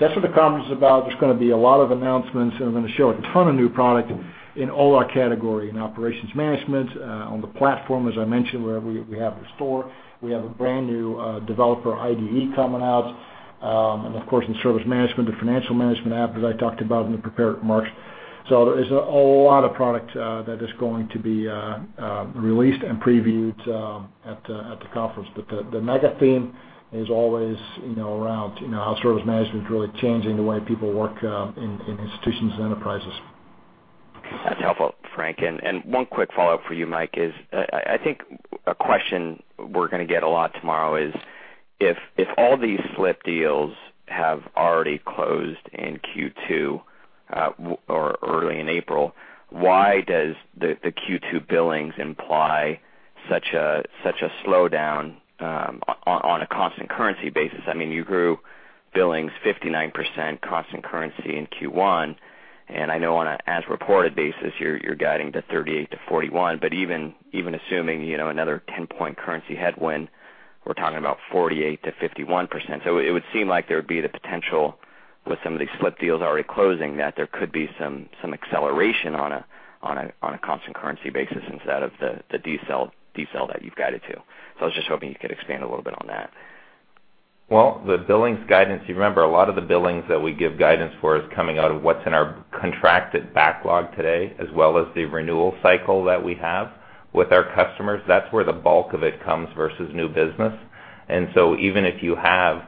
That's what the conference is about. There's going to be a lot of announcements, and we're going to show a ton of new product in all our category, in operations management, on the platform, as I mentioned, where we have the store. We have a brand-new developer IDE coming out. Of course, in service management, the financial management app, as I talked about in the prepared remarks. There is a lot of product that is going to be released and previewed at the conference. The mega theme is always around how service management is really changing the way people work in institutions and enterprises. That's helpful, Frank, and one quick follow-up for you, Mike, is I think a question we're going to get a lot tomorrow is, if all these slip deals have already closed in Q2 or early in April, why does the Q2 billings imply such a slowdown on a constant currency basis? I mean, you grew billings 59% constant currency in Q1, and I know on an as-reported basis, you're guiding to 38%-41%. Even assuming another 10-point currency headwind, we're talking about 48%-51%. It would seem like there would be the potential with some of these slip deals already closing that there could be some acceleration on a constant currency basis instead of the decel that you've guided to. I was just hoping you could expand a little bit on that. Well, the billings guidance, you remember a lot of the billings that we give guidance for is coming out of what's in our contracted backlog today as well as the renewal cycle that we have with our customers. That's where the bulk of it comes versus new business. Even if you have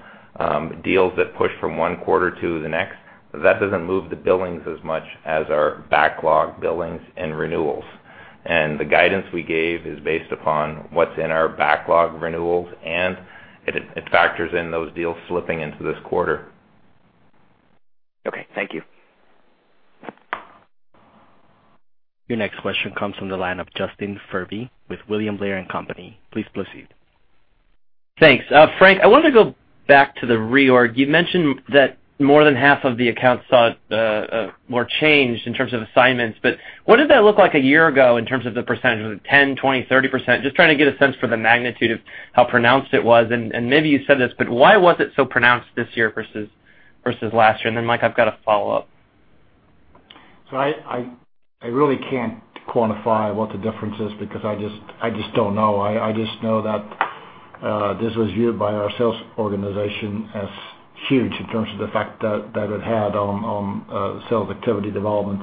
deals that push from one quarter to the next, that doesn't move the billings as much as our backlog billings and renewals. The guidance we gave is based upon what's in our backlog renewals, and it factors in those deals slipping into this quarter. Okay. Thank you. Your next question comes from the line of Justin Furby with William Blair & Company. Please proceed. Thanks. Frank, I wanted to go back to the reorg. You mentioned that more than half of the accounts saw more change in terms of assignments, but what did that look like a year ago in terms of the percentage? Was it 10%, 20%, 30%? Just trying to get a sense for the magnitude of how pronounced it was. Maybe you said this, but why was it so pronounced this year versus last year? Then, Mike, I've got a follow-up. I really can't quantify what the difference is, because I just don't know. I just know that this was viewed by our sales organization as huge in terms of the fact that it had on sales activity development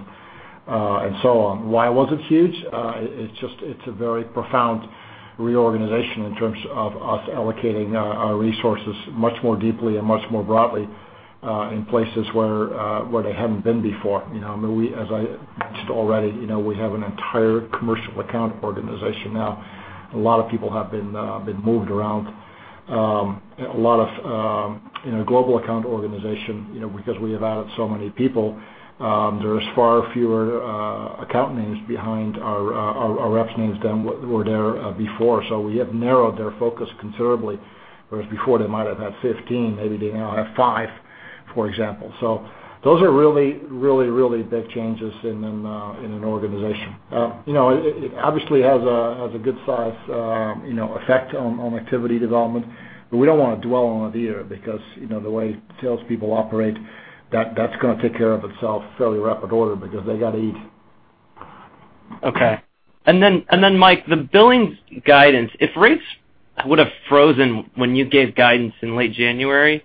and so on. Why was it huge? It's a very profound reorganization in terms of us allocating our resources much more deeply and much more broadly in places where they hadn't been before. As I mentioned already, we have an entire commercial account organization now. A lot of people have been moved around. A lot of global account organization, because we have added so many people, there is far fewer account names behind our reps' names than were there before. We have narrowed their focus considerably. Whereas before they might have had 15, maybe they now have five, for example. Those are really big changes in an organization. It obviously has a good size effect on activity development, but we don't want to dwell on it either because the way salespeople operate, that's going to take care of itself fairly rapid order because they got to eat. Okay. Then, Mike, the billings guidance, if rates would have frozen when you gave guidance in late January,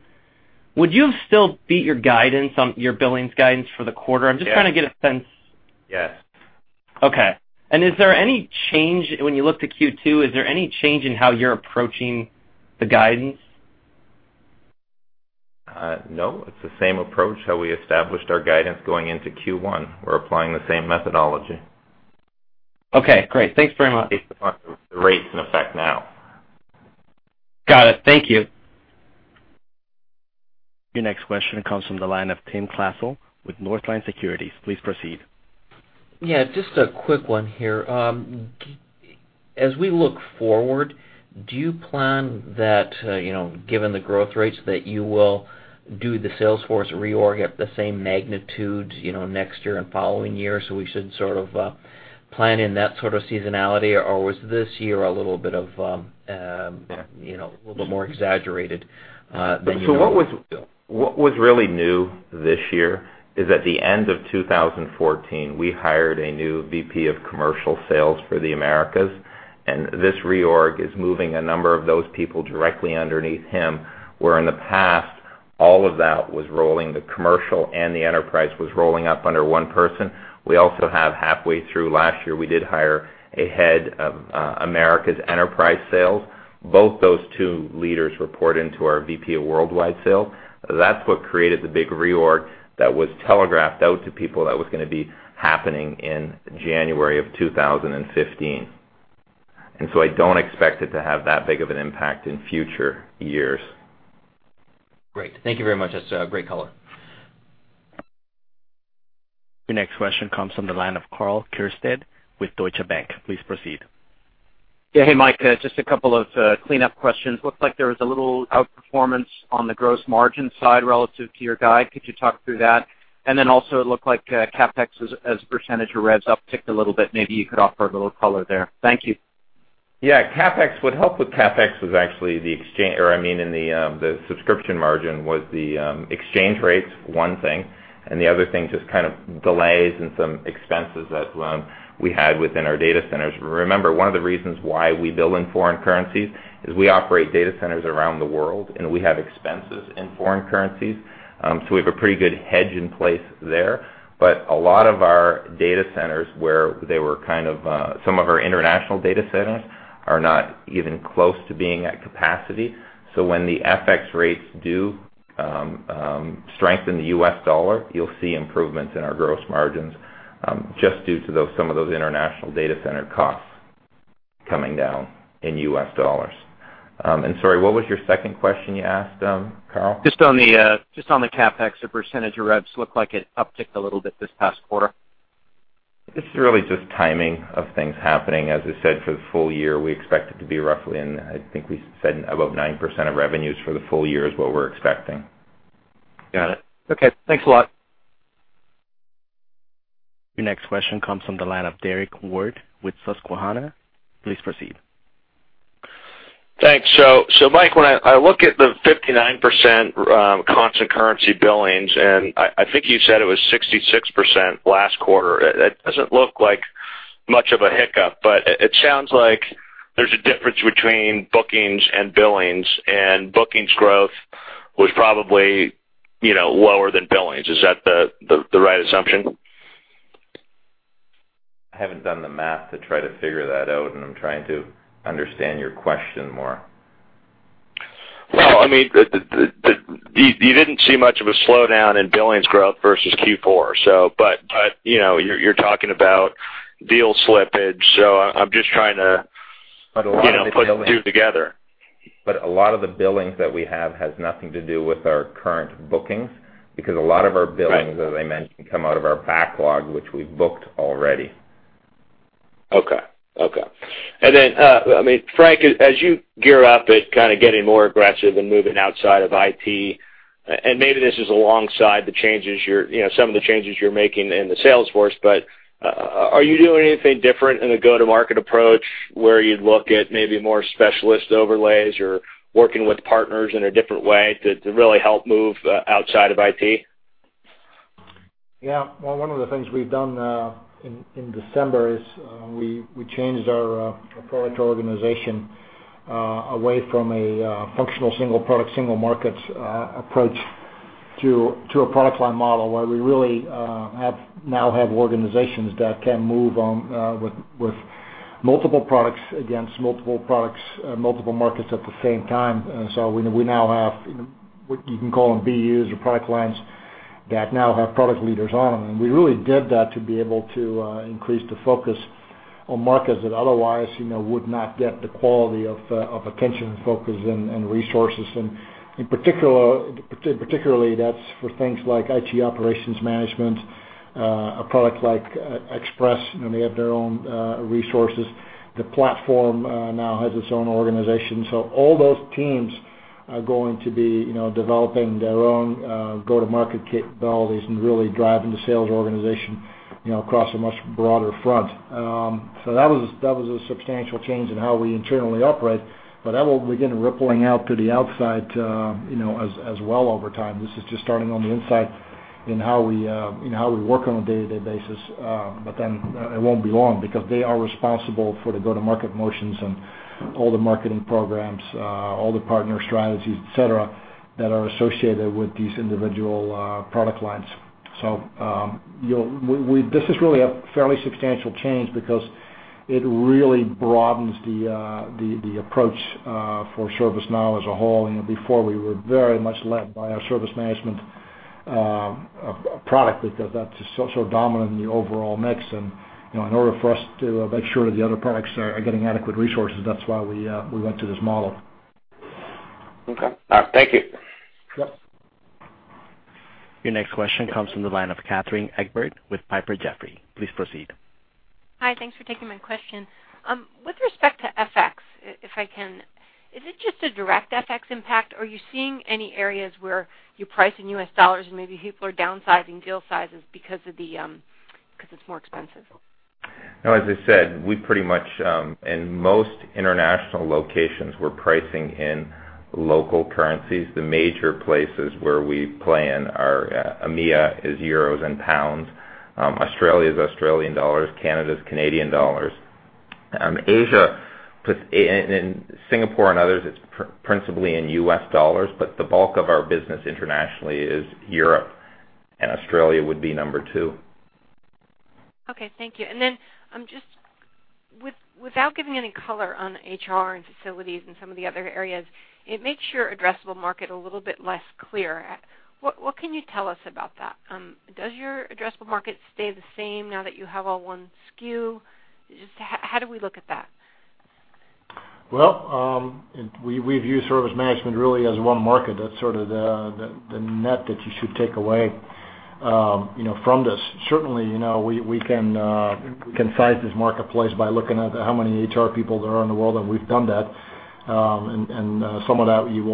would you have still beat your guidance on your billings guidance for the quarter? I'm just trying to get a sense. Yes. Okay. Is there any change when you look to Q2? Is there any change in how you're approaching the guidance? No, it's the same approach how we established our guidance going into Q1. We're applying the same methodology. Okay, great. Thanks very much. Based upon the rates in effect now. Got it. Thank you. Your next question comes from the line of Tim Klasell with Northland Securities. Please proceed. Yeah. Just a quick one here. As we look forward, do you plan that, given the growth rates, that you will do the Salesforce reorg at the same magnitude next year and following years, so we should sort of plan in that sort of seasonality? Or was this year a little bit more exaggerated than you normally do? What was really new this year is at the end of 2014, we hired a new VP of commercial sales for the Americas. This reorg is moving a number of those people directly underneath him, where in the past, all of that was rolling, the commercial and the enterprise was rolling up under one person. We also have halfway through last year, we did hire a head of Americas enterprise sales. Both those two leaders report into our VP of worldwide sales. That's what created the big reorg that was telegraphed out to people that was going to be happening in January of 2015. I don't expect it to have that big of an impact in future years. Great. Thank you very much. That's great color. Your next question comes from the line of Karl Keirstead with Deutsche Bank. Please proceed. Hey, Mike, just a couple of cleanup questions. Looks like there was a little outperformance on the gross margin side relative to your guide. Could you talk through that? Also, it looked like CapEx as a percentage of revs upticked a little bit. Maybe you could offer a little color there. Thank you. Yeah. What helped with CapEx was actually the subscription margin, was the exchange rates, one thing, and the other thing, just kind of delays and some expenses that we had within our data centers. Remember, one of the reasons why we bill in foreign currencies is we operate data centers around the world, and we have expenses in foreign currencies. We have a pretty good hedge in place there. A lot of our data centers, some of our international data centers are not even close to being at capacity. When the FX rates do strengthen the US dollar, you'll see improvements in our gross margins, just due to some of those international data center costs coming down in US dollars. Sorry, what was your second question you asked, Karl? Just on the CapEx, the percentage of revs looked like it upticked a little bit this past quarter. It's really just timing of things happening. As I said, for the full year, we expect it to be roughly in, I think we said about 9% of revenues for the full year is what we're expecting. Got it. Okay. Thanks a lot. Your next question comes from the line of Derrick Wood with Susquehanna. Please proceed. Thanks. Mike, when I look at the 59% constant currency billings, I think you said it was 66% last quarter, it doesn't look like much of a hiccup, it sounds like there's a difference between bookings and billings, and bookings growth was probably lower than billings. Is that the right assumption? I haven't done the math to try to figure that out, I'm trying to understand your question more. You didn't see much of a slowdown in billings growth versus Q4, you're talking about deal slippage, I'm just trying to. A lot of the billings- -put the two together. A lot of the billings that we have has nothing to do with our current bookings because a lot of our billings, as I mentioned, come out of our backlog, which we've booked already. Okay. Then, Frank, as you gear up at kind of getting more aggressive and moving outside of IT, maybe this is alongside some of the changes you're making in the sales force, are you doing anything different in the go-to-market approach where you'd look at maybe more specialist overlays or working with partners in a different way to really help move outside of IT? Yeah. One of the things we've done in December is we changed our product organization away from a functional single product, single markets approach to a product line model, where we really now have organizations that can move with multiple products against multiple markets at the same time. We now have what you can call them BUs or product lines that now have product leaders on them. We really did that to be able to increase the focus on markets that otherwise would not get the quality of attention, focus, and resources. Particularly, that's for things like IT Operations Management, a product like ServiceNow Express, they have their own resources. The platform now has its own organization. All those teams are going to be developing their own go-to-market capabilities and really driving the sales organization across a much broader front. That was a substantial change in how we internally operate. That will begin rippling out to the outside as well over time. This is just starting on the inside in how we work on a day-to-day basis. It won't be long because they are responsible for the go-to-market motions and all the marketing programs, all the partner strategies, et cetera, that are associated with these individual product lines. This is really a fairly substantial change because it really broadens the approach for ServiceNow as a whole. Before, we were very much led by our service management product because that's so dominant in the overall mix. In order for us to make sure the other products are getting adequate resources, that's why we went to this model. Okay. Thank you. Yep. Your next question comes from the line of Katherine Egbert with Piper Jaffray. Please proceed. Hi. Thanks for taking my question. With respect to FX, if I can, is it just a direct FX impact, or are you seeing any areas where you price in $ and maybe people are downsizing deal sizes because it's more expensive? No, as I said, we pretty much, in most international locations, we're pricing in local currencies. The major places where we play in are EMEA is EUR and GBP. Australia is AUD. Canada is CAD. Asia, Singapore and others, it's principally in $. The bulk of our business internationally is Europe, and Australia would be number 2. Okay, thank you. Just without giving any color on HR and facilities and some of the other areas, it makes your addressable market a little bit less clear. What can you tell us about that? Does your addressable market stay the same now that you have all 1 SKU? Just how do we look at that? Well, we view service management really as 1 market. That's sort of the net that you should take away from this. Certainly, we can size this marketplace by looking at how many HR people there are in the world, and we've done that. Some of that you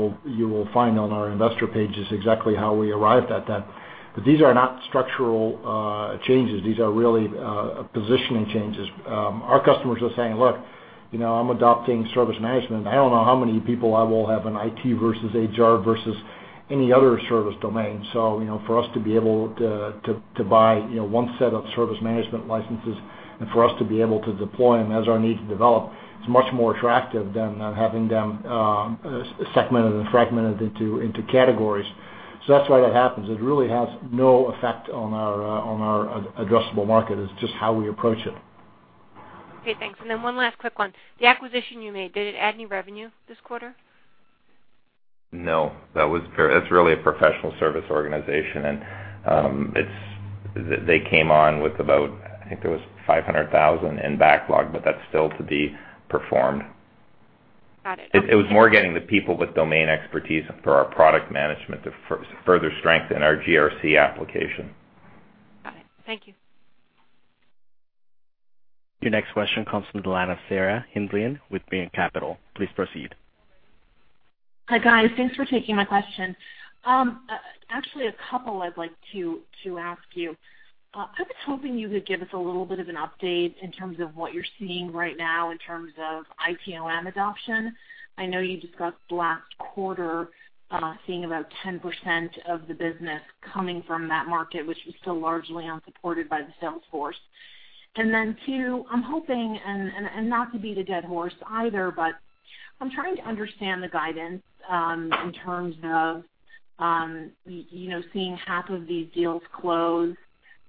will find on our investor page is exactly how we arrived at that. These are not structural changes. These are really positioning changes. Our customers are saying, "Look, I'm adopting service management. I don't know how many people I will have in IT versus HR versus any other service domain." For us to be able to buy 1 set of service management licenses and for us to be able to deploy them as our needs develop, it's much more attractive than having them segmented and fragmented into categories. That's why that happens. It really has no effect on our addressable market. It's just how we approach it. Okay, thanks. One last quick one. The acquisition you made, did it add any revenue this quarter? No. That's really a professional service organization, and they came on with about, I think it was $500,000 in backlog, but that's still to be performed. Got it. It was more getting the people with domain expertise for our product management to further strengthen our GRC application. Got it. Thank you. Your next question comes from the line of Sarah Hindlian with Brean Capital. Please proceed. Hi, guys. Thanks for taking my question. Actually, a couple I'd like to ask you. I was hoping you could give us a little bit of an update in terms of what you're seeing right now in terms of ITOM adoption. I know you discussed last quarter, seeing about 10% of the business coming from that market, which was still largely unsupported by the sales force. Two, I'm hoping, and not to beat a dead horse either, but I'm trying to understand the guidance in terms of seeing half of these deals close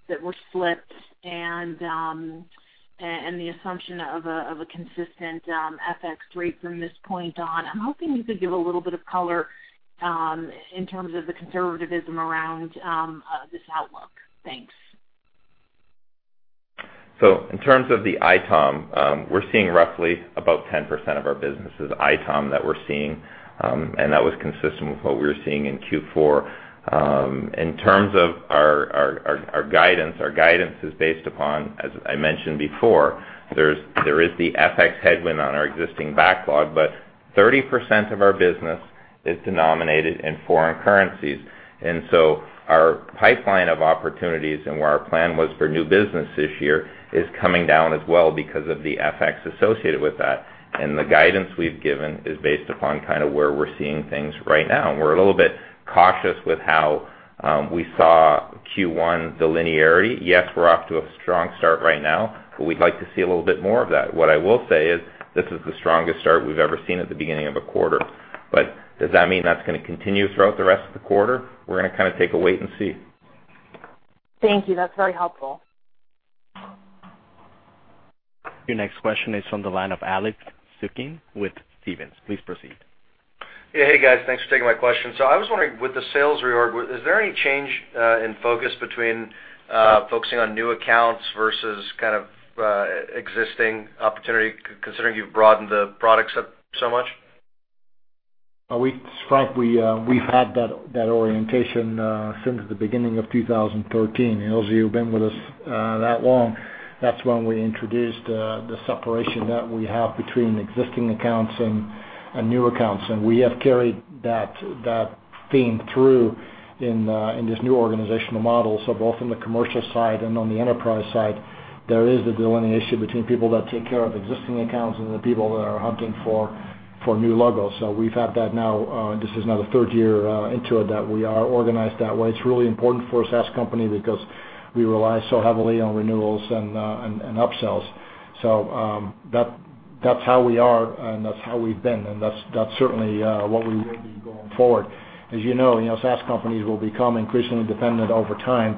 that were slipped and the assumption of a consistent FX rate from this point on. I'm hoping you could give a little bit of color in terms of the conservativism around this outlook. Thanks. In terms of the ITOM, we're seeing roughly about 10% of our business is ITOM that we're seeing, that was consistent with what we were seeing in Q4. In terms of our guidance, our guidance is based upon, as I mentioned before, there is the FX headwind on our existing backlog, 30% of our business is denominated in foreign currencies. Our pipeline of opportunities and where our plan was for new business this year is coming down as well because of the FX associated with that. The guidance we've given is based upon kind of where we're seeing things right now. We're a little bit cautious with how we saw Q1, the linearity. We're off to a strong start right now, we'd like to see a little bit more of that. What I will say is this is the strongest start we've ever seen at the beginning of a quarter. Does that mean that's going to continue throughout the rest of the quarter? We're going to kind of take a wait and see. Thank you. That's very helpful. Your next question is on the line of Alex Zukin with Stephens. Please proceed. Yeah. Hey, guys. Thanks for taking my question. I was wondering, with the sales reorg, is there any change in focus between focusing on new accounts versus kind of existing opportunity, considering you've broadened the products so much? Frank, we've had that orientation since the beginning of 2013. Those of you who've been with us that long, that's when we introduced the separation that we have between existing accounts and new accounts. We have carried that theme through in this new organizational model. Both on the commercial side and on the enterprise side, there is the delineation between people that take care of existing accounts and the people that are hunting for new logos. We've had that now, this is now the third year into it, that we are organized that way. It's really important for a SaaS company because we rely so heavily on renewals and upsells. That's how we are, and that's how we've been, and that's certainly what we will be going forward. As you know, SaaS companies will become increasingly dependent over time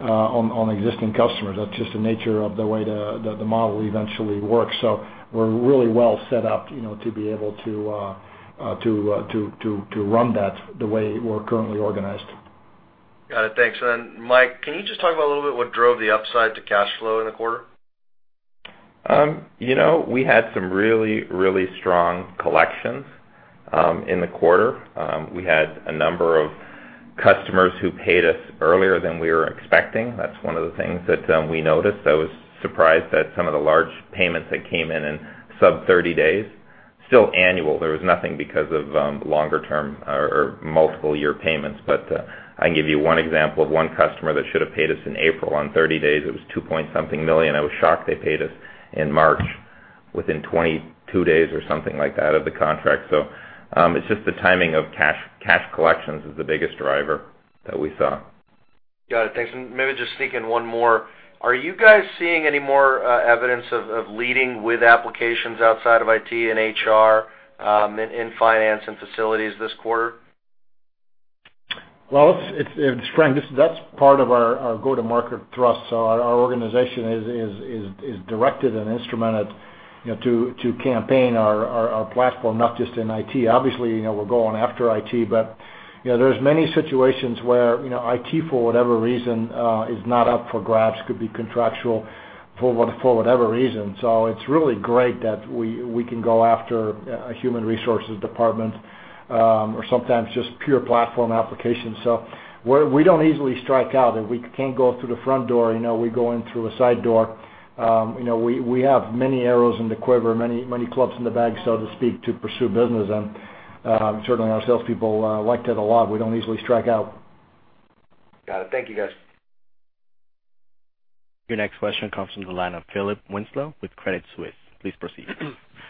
on existing customers. That's just the nature of the way the model eventually works. We're really well set up to be able to run that the way we're currently organized. Got it. Thanks. Mike, can you just talk about a little bit what drove the upside to cash flow in the quarter? We had some really, really strong collections in the quarter. We had a number of customers who paid us earlier than we were expecting. That's one of the things that we noticed. I was surprised at some of the large payments that came in in sub 30 days. Still annual, there was nothing because of longer term or multiple year payments. I can give you one example of one customer that should have paid us in April. On 30 days, it was $2.something million. I was shocked they paid us in March within 22 days or something like that of the contract. It's just the timing of cash collections is the biggest driver that we saw. Got it. Thanks. Maybe just sneak in one more. Are you guys seeing any more evidence of leading with applications outside of IT and HR in finance and facilities this quarter? Well, Frank, that's part of our go-to-market thrust. Our organization is directed and instrumented to campaign our platform, not just in IT. Obviously, we're going after IT, but there's many situations where IT, for whatever reason, is not up for grabs, could be contractual for whatever reason. It's really great that we can go after a human resources department, or sometimes just pure platform applications. We don't easily strike out. If we can't go through the front door, we go in through a side door. We have many arrows in the quiver, many clubs in the bag, so to speak, to pursue business. Certainly our salespeople like that a lot. We don't easily strike out. Got it. Thank you, guys. Your next question comes from the line of Philip Winslow with Credit Suisse. Please proceed.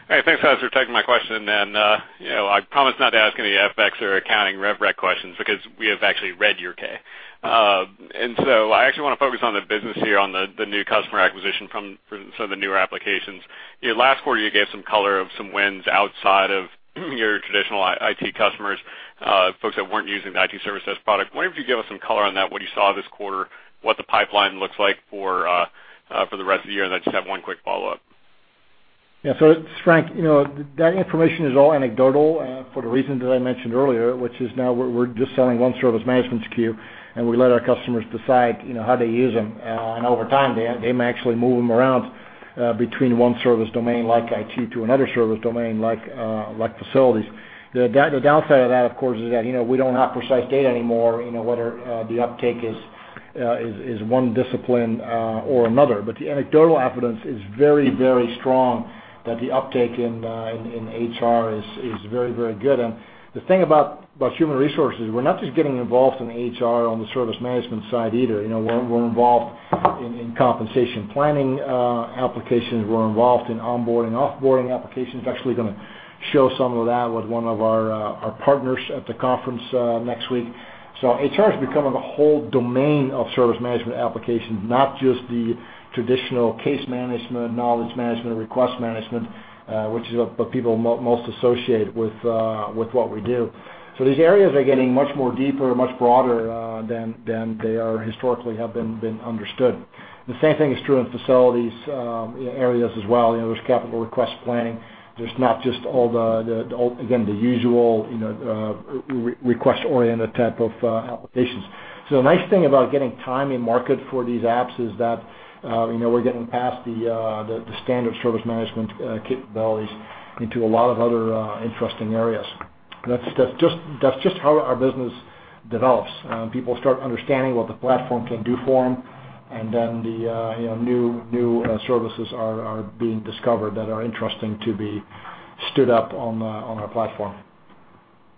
Hey, thanks guys, for taking my question. I promise not to ask any FX or accounting rev rec questions because we have actually read your K. I actually want to focus on the business here, on the new customer acquisition from some of the newer applications. Last quarter you gave some color of some wins outside of your traditional IT customers, folks that weren't using the IT service desk product. Wonder if you could give us some color on that, what you saw this quarter, what the pipeline looks like for the rest of the year, and then just have one quick follow-up. Yeah. It's Frank. That information is all anecdotal for the reasons that I mentioned earlier, which is now we're just selling one service management SKU, and we let our customers decide how they use them. Over time, they may actually move them around between one service domain like IT to another service domain like facilities. The downside of that, of course, is that we don't have precise data anymore, whether the uptake is one discipline or another. The anecdotal evidence is very, very strong that the uptake in HR is very, very good. The thing about human resources, we're not just getting involved in HR on the service management side either. We're involved in compensation planning applications. We're involved in onboarding, offboarding applications. Actually going to show some of that with one of our partners at the conference next week. HR is becoming a whole domain of service management applications, not just the traditional case management, knowledge management, request management, which is what people most associate with what we do. These areas are getting much more deeper, much broader than they historically have been understood. The same thing is true in facilities areas as well. There's capital request planning. There's not just all the, again, the usual request-oriented type of applications. The nice thing about getting time in market for these apps is that we're getting past the standard service management capabilities into a lot of other interesting areas. That's just how our business develops. People start understanding what the platform can do for them, the new services are being discovered that are interesting to be stood up on our platform.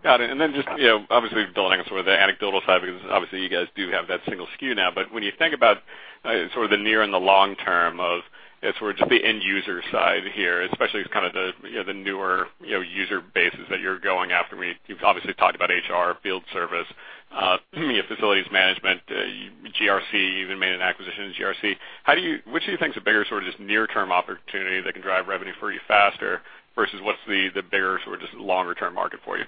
Got it. Then just obviously building on sort of the anecdotal side, because obviously you guys do have that single SKU now, but when you think about sort of the near-term and the long term of sort of just the end user side here, especially as kind of the newer user bases that you're going after, you've obviously talked about HR, field service, facilities management, GRC, you even made an acquisition in GRC. Which do you think is a bigger sort of just near-term opportunity that can drive revenue for you faster versus what's the bigger sort of just longer-term market for you?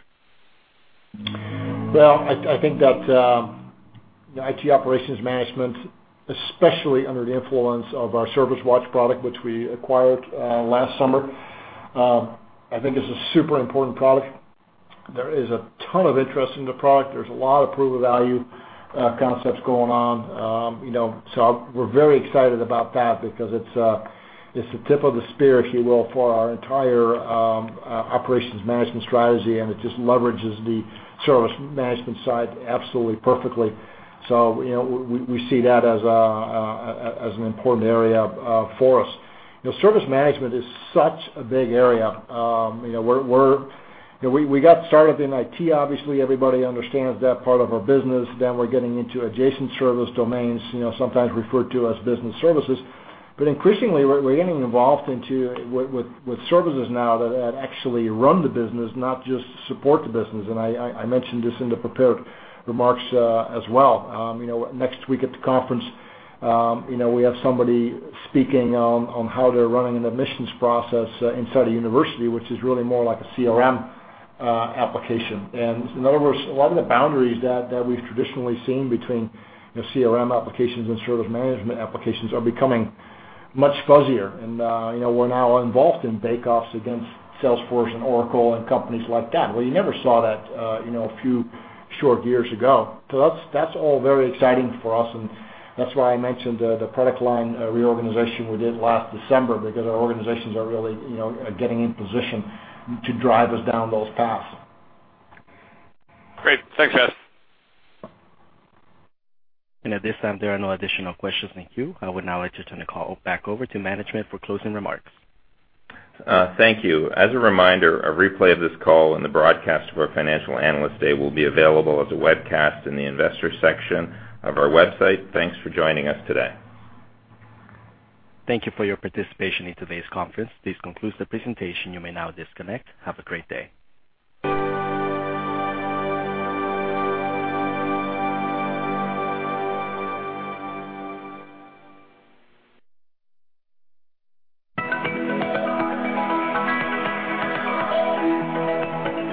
Well, I think that IT Operations Management, especially under the influence of our ServiceWatch product, which we acquired last summer, I think is a super important product. There is a ton of interest in the product. There's a lot of proof of value concepts going on. We're very excited about that because it's the tip of the spear, if you will, for our entire operations management strategy, and it just leverages the service management side absolutely perfectly. We see that as an important area for us. Service management is such a big area. We got started in IT, obviously, everybody understands that part of our business. Then we're getting into adjacent service domains, sometimes referred to as business services. Increasingly, we're getting involved into with services now that actually run the business, not just support the business. I mentioned this in the prepared remarks as well. Next week at the conference we have somebody speaking on how they're running an admissions process inside a university, which is really more like a CRM application. In other words, a lot of the boundaries that we've traditionally seen between CRM applications and service management applications are becoming much fuzzier. We're now involved in bake-offs against Salesforce and Oracle and companies like that, where you never saw that a few short years ago. That's all very exciting for us, and that's why I mentioned the product line reorganization we did last December because our organizations are really getting in position to drive us down those paths. Great. Thanks, guys. At this time, there are no additional questions in the queue. I would now like to turn the call back over to management for closing remarks. Thank you. As a reminder, a replay of this call and the broadcast for our Financial Analyst Day will be available as a webcast in the Investors section of our website. Thanks for joining us today. Thank you for your participation in today's conference. This concludes the presentation. You may now disconnect. Have a great day.